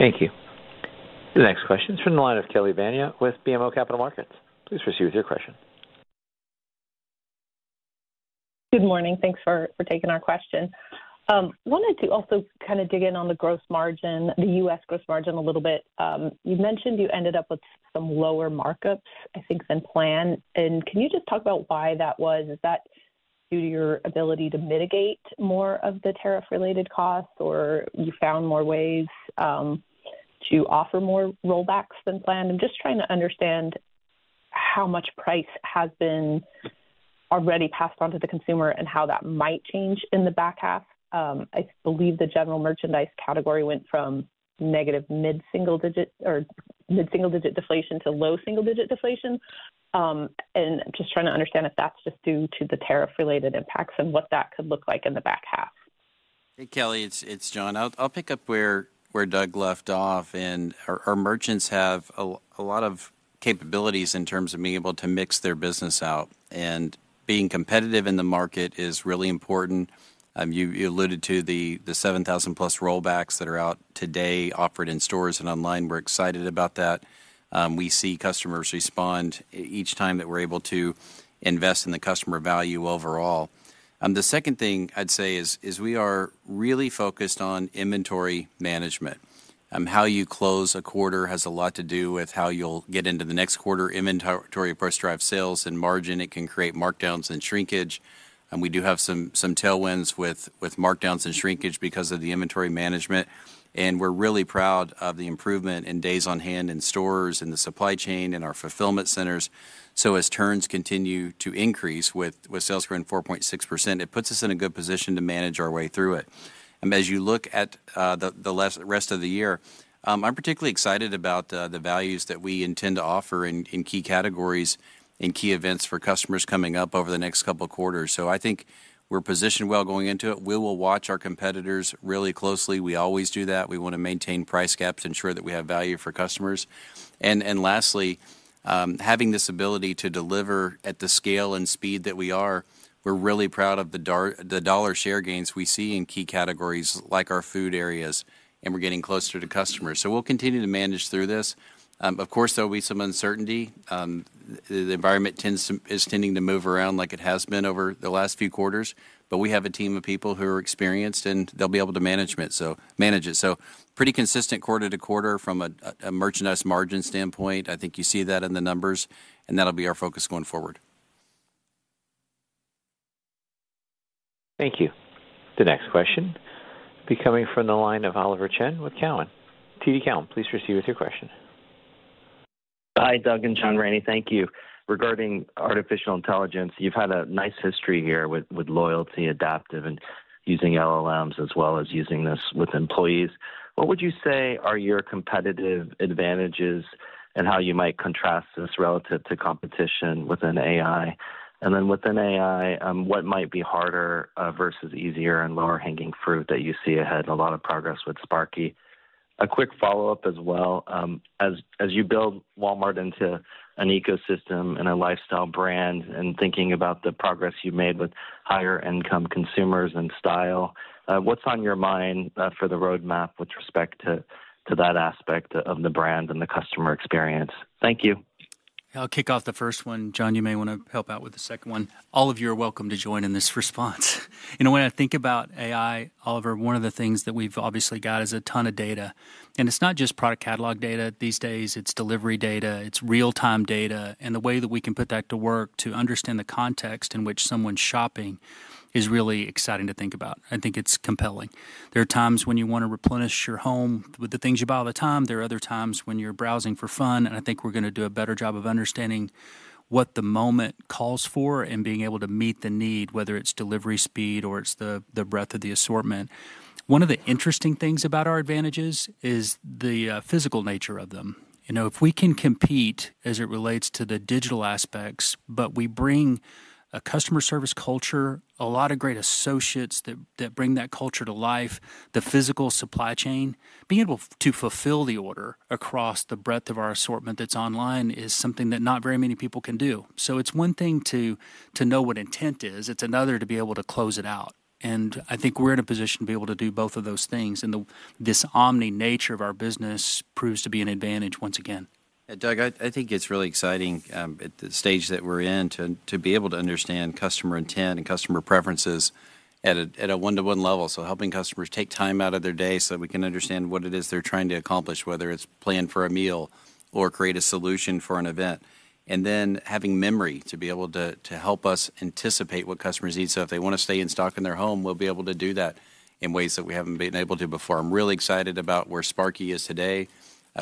Thank you. The next question is from the line of Kelly Bania with BMO Capital Markets. Please proceed with your question. Good morning. Thanks for taking our question. Wanted to also kind of dig in on the gross margin, the U.S. gross margin a little bit. You mentioned you ended up with some lower markups, I think, than planned. Can you just talk about why that was? Is that due to your ability to mitigate more of the tariff-related costs, or you found more ways to offer more rollbacks than planned? I'm just trying to understand how much price has been already passed on to the consumer and how that might change in the back half. I believe the general merchandise category went from negative mid-single digit deflation to low single digit deflation. Just trying to understand if that's just due to the tariff-related impacts and what that could look like in the back half. Hey, Kelly. It's John. I'll pick up where Doug left off. Our merchants have a lot of capabilities in terms of being able to mix their business out. Being competitive in the market is really important. You alluded to the 7,000+ rollbacks that are out today offered in stores and online. We're excited about that. We see customers respond each time that we're able to invest in the customer value overall. The second thing I'd say is we are really focused on inventory management. How you close a quarter has a lot to do with how you'll get into the next quarter inventory plus drive sales and margin. It can create markdowns and shrinkage. We do have some tailwinds with markdowns and shrinkage because of the inventory management. We're really proud of the improvement in days on hand in stores and the supply chain and our fulfillment centers. As turns continue to increase with sales growing 4.6%, it puts us in a good position to manage our way through it. As you look at the rest of the year, I'm particularly excited about the values that we intend to offer in key categories and key events for customers coming up over the next couple of quarters. I think we're positioned well going into it. We will watch our competitors really closely. We always do that. We want to maintain price gaps to ensure that we have value for customers. Lastly, having this ability to deliver at the scale and speed that we are, we're really proud of the dollar share gains we see in key categories like our food areas, and we're getting closer to customers. We'll continue to manage through this. Of course, there will be some uncertainty. The environment is tending to move around like it has been over the last few quarters. We have a team of people who are experienced, and they'll be able to manage it. Pretty consistent quarter to quarter from a merchandise margin standpoint. I think you see that in the numbers, and that'll be our focus going forward. Thank you. The next question will be coming from the line of Oliver Chen with Cowen. TD Cowen, please receive your question. Hi, Doug and John Rainey. Thank you. Regarding artificial intelligence, you've had a nice history here with loyalty, adaptive, and using LLMs as well as using this with employees. What would you say are your competitive advantages and how you might contrast this relative to competition within AI? Within AI, what might be harder versus easier and lower hanging fruit that you see ahead? A lot of progress with Sparky. A quick follow-up as well. As you build Walmart into an ecosystem and a lifestyle brand and thinking about the progress you've made with higher income consumers and style, what's on your mind for the roadmap with respect to that aspect of the brand and the customer experience? Thank you. I'll kick off the first one. John, you may want to help out with the second one. All of you are welcome to join in this response. In a way, I think about AI, Oliver, one of the things that we've obviously got is a ton of data. It's not just product catalog data these days. It's delivery data. It's real-time data. The way that we can put that to work to understand the context in which someone's shopping is really exciting to think about. I think it's compelling. There are times when you want to replenish your home with the things you buy all the time. There are other times when you're browsing for fun. I think we're going to do a better job of understanding what the moment calls for and being able to meet the need, whether it's delivery speed or it's the breadth of the assortment. One of the interesting things about our advantages is the physical nature of them. If we can compete as it relates to the digital aspects, but we bring a customer service culture, a lot of great associates that bring that culture to life, the physical supply chain, being able to fulfill the order across the breadth of our assortment that's online is something that not very many people can do. It's one thing to know what intent is. It's another to be able to close it out. I think we're in a position to be able to do both of those things. This omni-nature of our business proves to be an advantage once again. Doug, I think it's really exciting at the stage that we're in to be able to understand customer intent and customer preferences at a one-to-one level. Helping customers take time out of their day so that we can understand what it is they're trying to accomplish, whether it's plan for a meal or create a solution for an event, and then having memory to be able to help us anticipate what customers need. If they want to stay in stock in their home, we'll be able to do that in ways that we haven't been able to before. I'm really excited about where Sparky is today.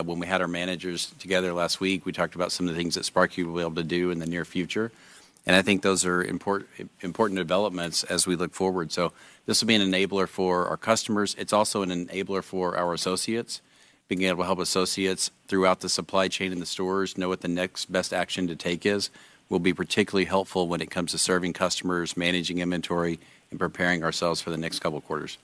When we had our managers together last week, we talked about some of the things that Sparky will be able to do in the near future. I think those are important developments as we look forward. This will be an enabler for our customers. It's also an enabler for our associates. Being able to help associates throughout the supply chain in the stores know what the next best action to take is will be particularly helpful when it comes to serving customers, managing inventory, and preparing ourselves for the next couple of quarters.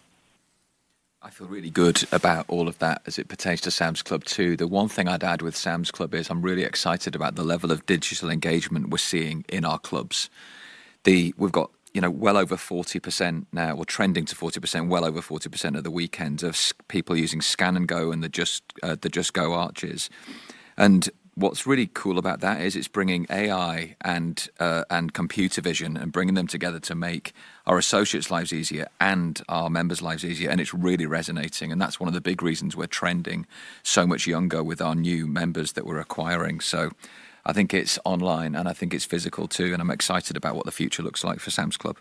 I feel really good about all of that as it pertains to Sam's Club. The one thing I'd add with Sam's Club is I'm really excited about the level of digital engagement we're seeing in our clubs. We've got well over 40% now, or trending to 40%, well over 40% of the weekends of people using Scan & Go and the Just Go arches. What's really cool about that is it's bringing AI and computer vision and bringing them together to make our associates' lives easier and our members' lives easier. It's really resonating. That's one of the big reasons we're trending so much younger with our new members that we're acquiring. I think it's online, and I think it's physical too. I'm excited about what the future looks like for Sam's Club.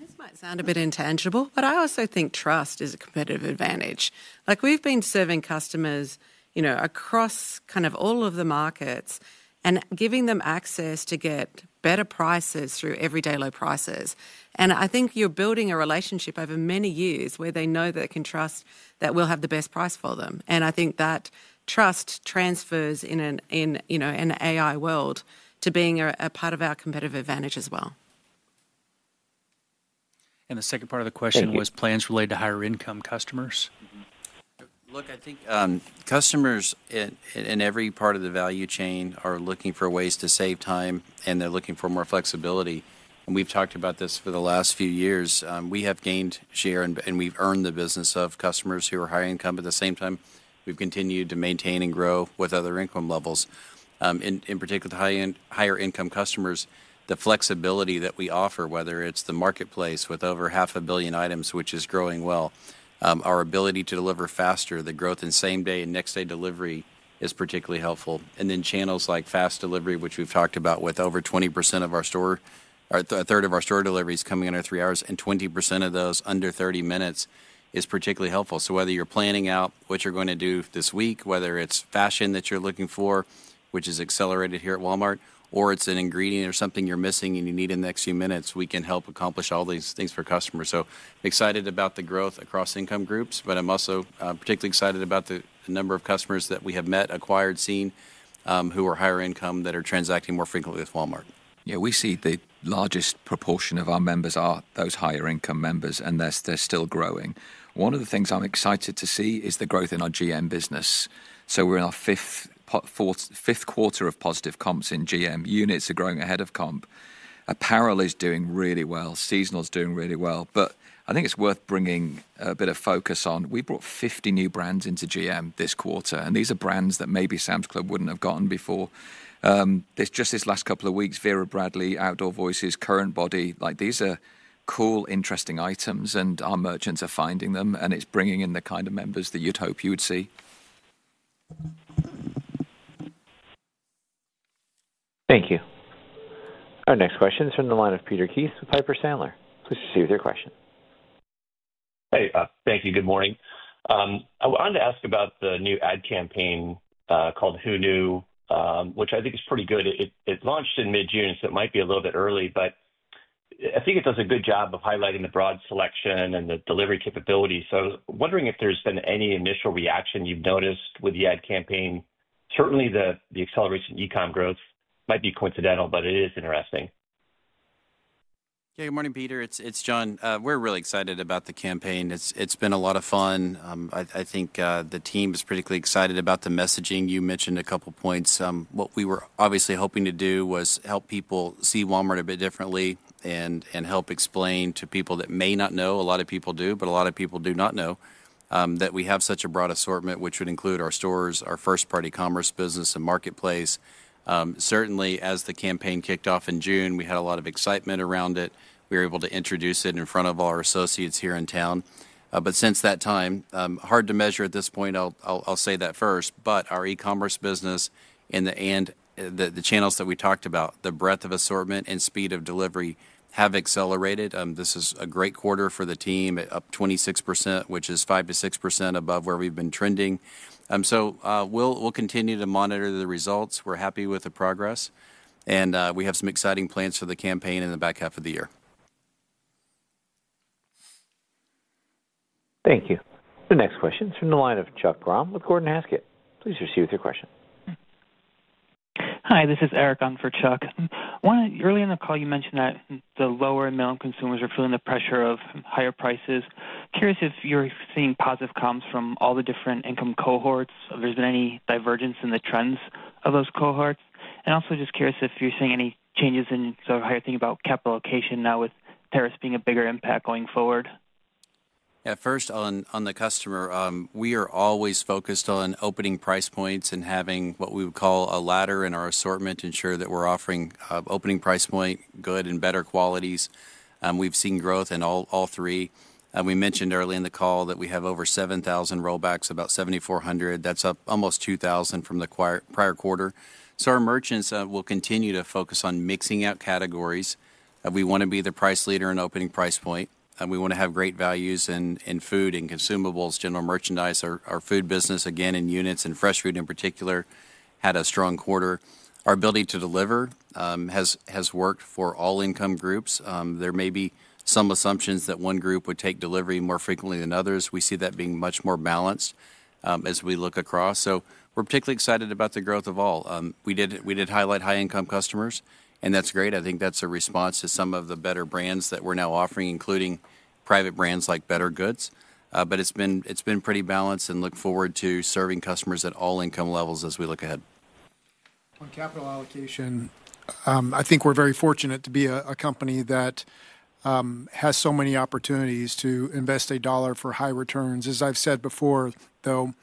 This might sound a bit intangible, but I also think trust is a competitive advantage. We've been serving customers across all of the markets and giving them access to get better prices through everyday low prices. I think you're building a relationship over many years where they know that they can trust that we'll have the best price for them. I think that trust transfers in an AI world to being a part of our competitive advantage as well. The second part of the question was plans related to higher income customers. Look, I think customers in every part of the value chain are looking for ways to save time, and they're looking for more flexibility. We've talked about this for the last few years. We have gained share, and we've earned the business of customers who are high income. At the same time, we've continued to maintain and grow with other income levels. In particular, the higher income customers, the flexibility that we offer, whether it's the marketplace with over 0.5 billion items, which is growing well, our ability to deliver faster, the growth in same-day and next-day delivery is particularly helpful. Channels like fast delivery, which we've talked about with over 20% of our store, a of our store deliveries coming under three hours, and 20% of those under 30 minutes is particularly helpful. Whether you're planning out what you're going to do this week, whether it's fashion that you're looking for, which is accelerated here at Walmart, or it's an ingredient or something you're missing and you need in the next few minutes, we can help accomplish all these things for customers. I'm excited about the growth across income groups, but I'm also particularly excited about the number of customers that we have met, acquired, seen, who are higher income that are transacting more frequently with Walmart. Yeah, we see the largest proportion of our members are those higher income members, and they're still growing. One of the things I'm excited to see is the growth in our GM business. We're in our fifth quarter of positive comps in GM, and units are growing ahead of comp. Apparel is doing really well. Seasonal is doing really well. I think it's worth bringing a bit of focus on. We brought 50 new brands into GM this quarter, and these are brands that maybe Sam's Club wouldn't have gotten before. Just this last couple of weeks, Vera Bradley, Outdoor Voices, CurrentBody, like these are cool, interesting items, and our merchants are finding them, and it's bringing in the kind of members that you'd hope you would see. Thank you. Our next question is from the line of Peter Keith with Piper Sandler. Please receive your question. Hey, thank you. Good morning. I wanted to ask about the new ad campaign called Who Knew, which I think is pretty good. It launched in mid-June, so it might be a little bit early, but I think it does a good job of highlighting the broad selection and the delivery capability. I was wondering if there's been any initial reaction you've noticed with the ad campaign. Certainly, the acceleration in e-commerce growth might be coincidental, but it is interesting. Good morning, Peter. It's John. We're really excited about the campaign. It's been a lot of fun. I think the team is particularly excited about the messaging. You mentioned a couple of points. What we were obviously hoping to do was help people see Walmart a bit differently and help explain to people that may not know. A lot of people do, but a lot of people do not know that we have such a broad assortment, which would include our stores, our first-party commerce business, and marketplace. Certainly, as the campaign kicked off in June, we had a lot of excitement around it. We were able to introduce it in front of our associates here in town. Since that time, hard to measure at this point, I'll say that first. Our e-commerce business and the channels that we talked about, the breadth of assortment and speed of delivery have accelerated. This is a great quarter for the team, up 26%, which is 5%-6% above where we've been trending. We'll continue to monitor the results. We're happy with the progress. We have some exciting plans for the campaign in the back half of the year. Thank you. The next question is from the line of Chuck Grom with Gordon Haskett. Please receive your question. Hi, this is Eric for Chuck. Early in the call, you mentioned that the lower and middle consumers are feeling the pressure of higher prices. Curious if you're seeing positive comps from all the different income cohorts, if there's been any divergence in the trends of those cohorts. I'm also just curious if you're seeing any changes in how you're thinking about capital allocation now with tariffs being a bigger impact going forward. Yeah, first on the customer, we are always focused on opening price points and having what we would call a ladder in our assortment to ensure that we're offering opening price point, good, and better qualities. We've seen growth in all three. We mentioned early in the call that we have over 7,000 rollbacks, about 7,400. That's up almost 2,000 from the prior quarter. Our merchants will continue to focus on mixing out categories. We want to be the price leader in opening price point. We want to have great values in food and consumables, general merchandise, our food business, again, in units and fresh food in particular, had a strong quarter. Our ability to deliver has worked for all income groups. There may be some assumptions that one group would take delivery more frequently than others. We see that being much more balanced as we look across. We're particularly excited about the growth of all. We did highlight high-income customers, and that's great. I think that's a response to some of the better brands that we're now offering, including private brands like bettergoods. It's been pretty balanced, and look forward to serving customers at all income levels as we look ahead. On capital allocation, I think we're very fortunate to be a company that has so many opportunities to invest a dollar for high returns. As I've said before, though,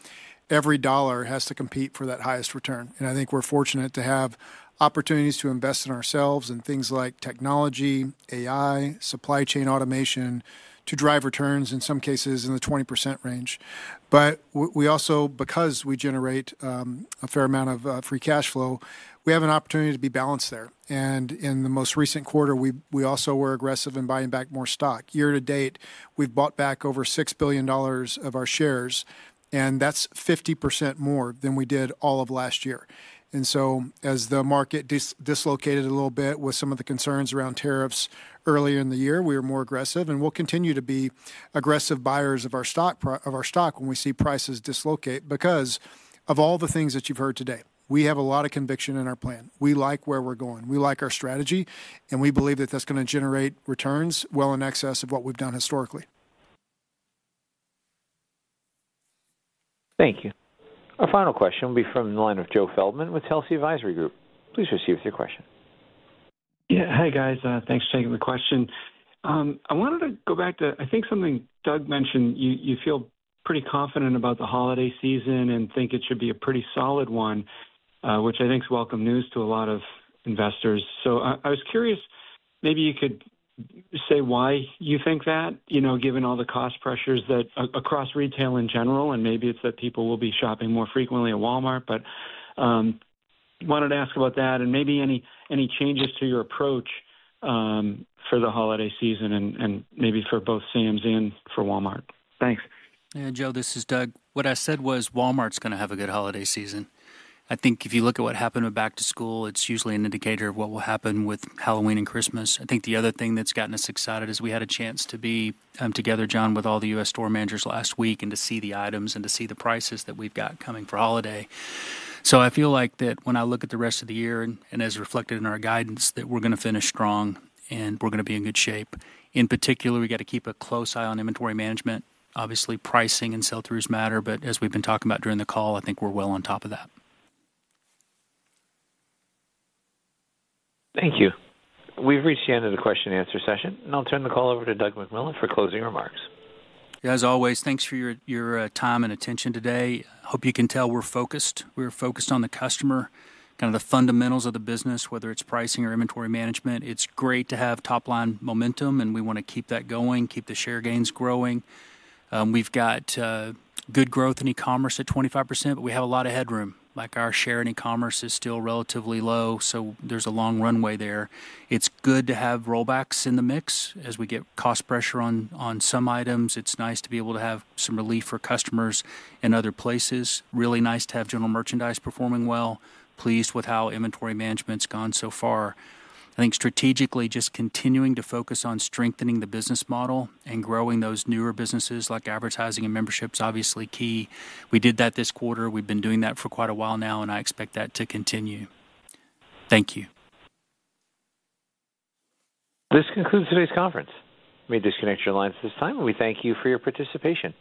every dollar has to compete for that highest return. I think we're fortunate to have opportunities to invest in ourselves and things like technology, AI, supply chain automation to drive returns, in some cases in the 20% range. We also, because we generate a fair amount of free cash flow, have an opportunity to be balanced there. In the most recent quarter, we also were aggressive in buying back more stock. Year to date, we've bought back over $6 billion of our shares, and that's 50% more than we did all of last year. As the market dislocated a little bit with some of the concerns around tariffs earlier in the year, we were more aggressive, and we'll continue to be aggressive buyers of our stock when we see prices dislocate because of all the things that you've heard today. We have a lot of conviction in our plan. We like where we're going. We like our strategy, and we believe that that's going to generate returns well in excess of what we've done historically. Thank you. Our final question will be from the line of Joe Feldman with Chelsea Advisory Group. Please receive your question. Yeah, hey guys, thanks for taking the question. I wanted to go back to, I think, something Doug McMillon mentioned. You feel pretty confident about the holiday season and think it should be a pretty solid one, which I think is welcome news to a lot of investors. I was curious, maybe you could say why you think that, you know, given all the cost pressures that are across retail in general, and maybe it's that people will be shopping more frequently at Walmart, but I wanted to ask about that and any changes to your approach for the holiday season and maybe for both Sam's Club and for Walmart. Thanks. Yeah, Joe, this is Doug. What I said was Walmart's going to have a good holiday season. I think if you look at what happened with back to school, it's usually an indicator of what will happen with Halloween and Christmas. The other thing that's gotten us excited is we had a chance to be together, John, with all the U.S. store managers last week and to see the items and to see the prices that we've got coming for holiday. I feel like that when I look at the rest of the year and as reflected in our guidance, we're going to finish strong and we're going to be in good shape. In particular, we got to keep a close eye on inventory management. Obviously, pricing and sell-throughs matter, but as we've been talking about during the call, I think we're well on top of that. Thank you. We've reached the end of the question-and-answer session, and I'll turn the call over to Doug McMillon for closing remarks. As always, thanks for your time and attention today. I hope you can tell we're focused. We're focused on the customer, the fundamentals of the business, whether it's pricing or inventory management. It's great to have top line momentum, and we want to keep that going, keep the share gains growing. We've got good growth in e-commerce at 25%, but we have a lot of headroom. Like our share in e-commerce is still relatively low, so there's a long runway there. It's good to have rollbacks in the mix as we get cost pressure on some items. It's nice to be able to have some relief for customers in other places. Really nice to have general merchandise performing well. Pleased with how inventory management's gone so far. I think strategically, just continuing to focus on strengthening the business model and growing those newer businesses like advertising and membership is obviously key. We did that this quarter. We've been doing that for quite a while now, and I expect that to continue. Thank you. This concludes today's conference. We disconnect your lines at this time, and we thank you for your participation.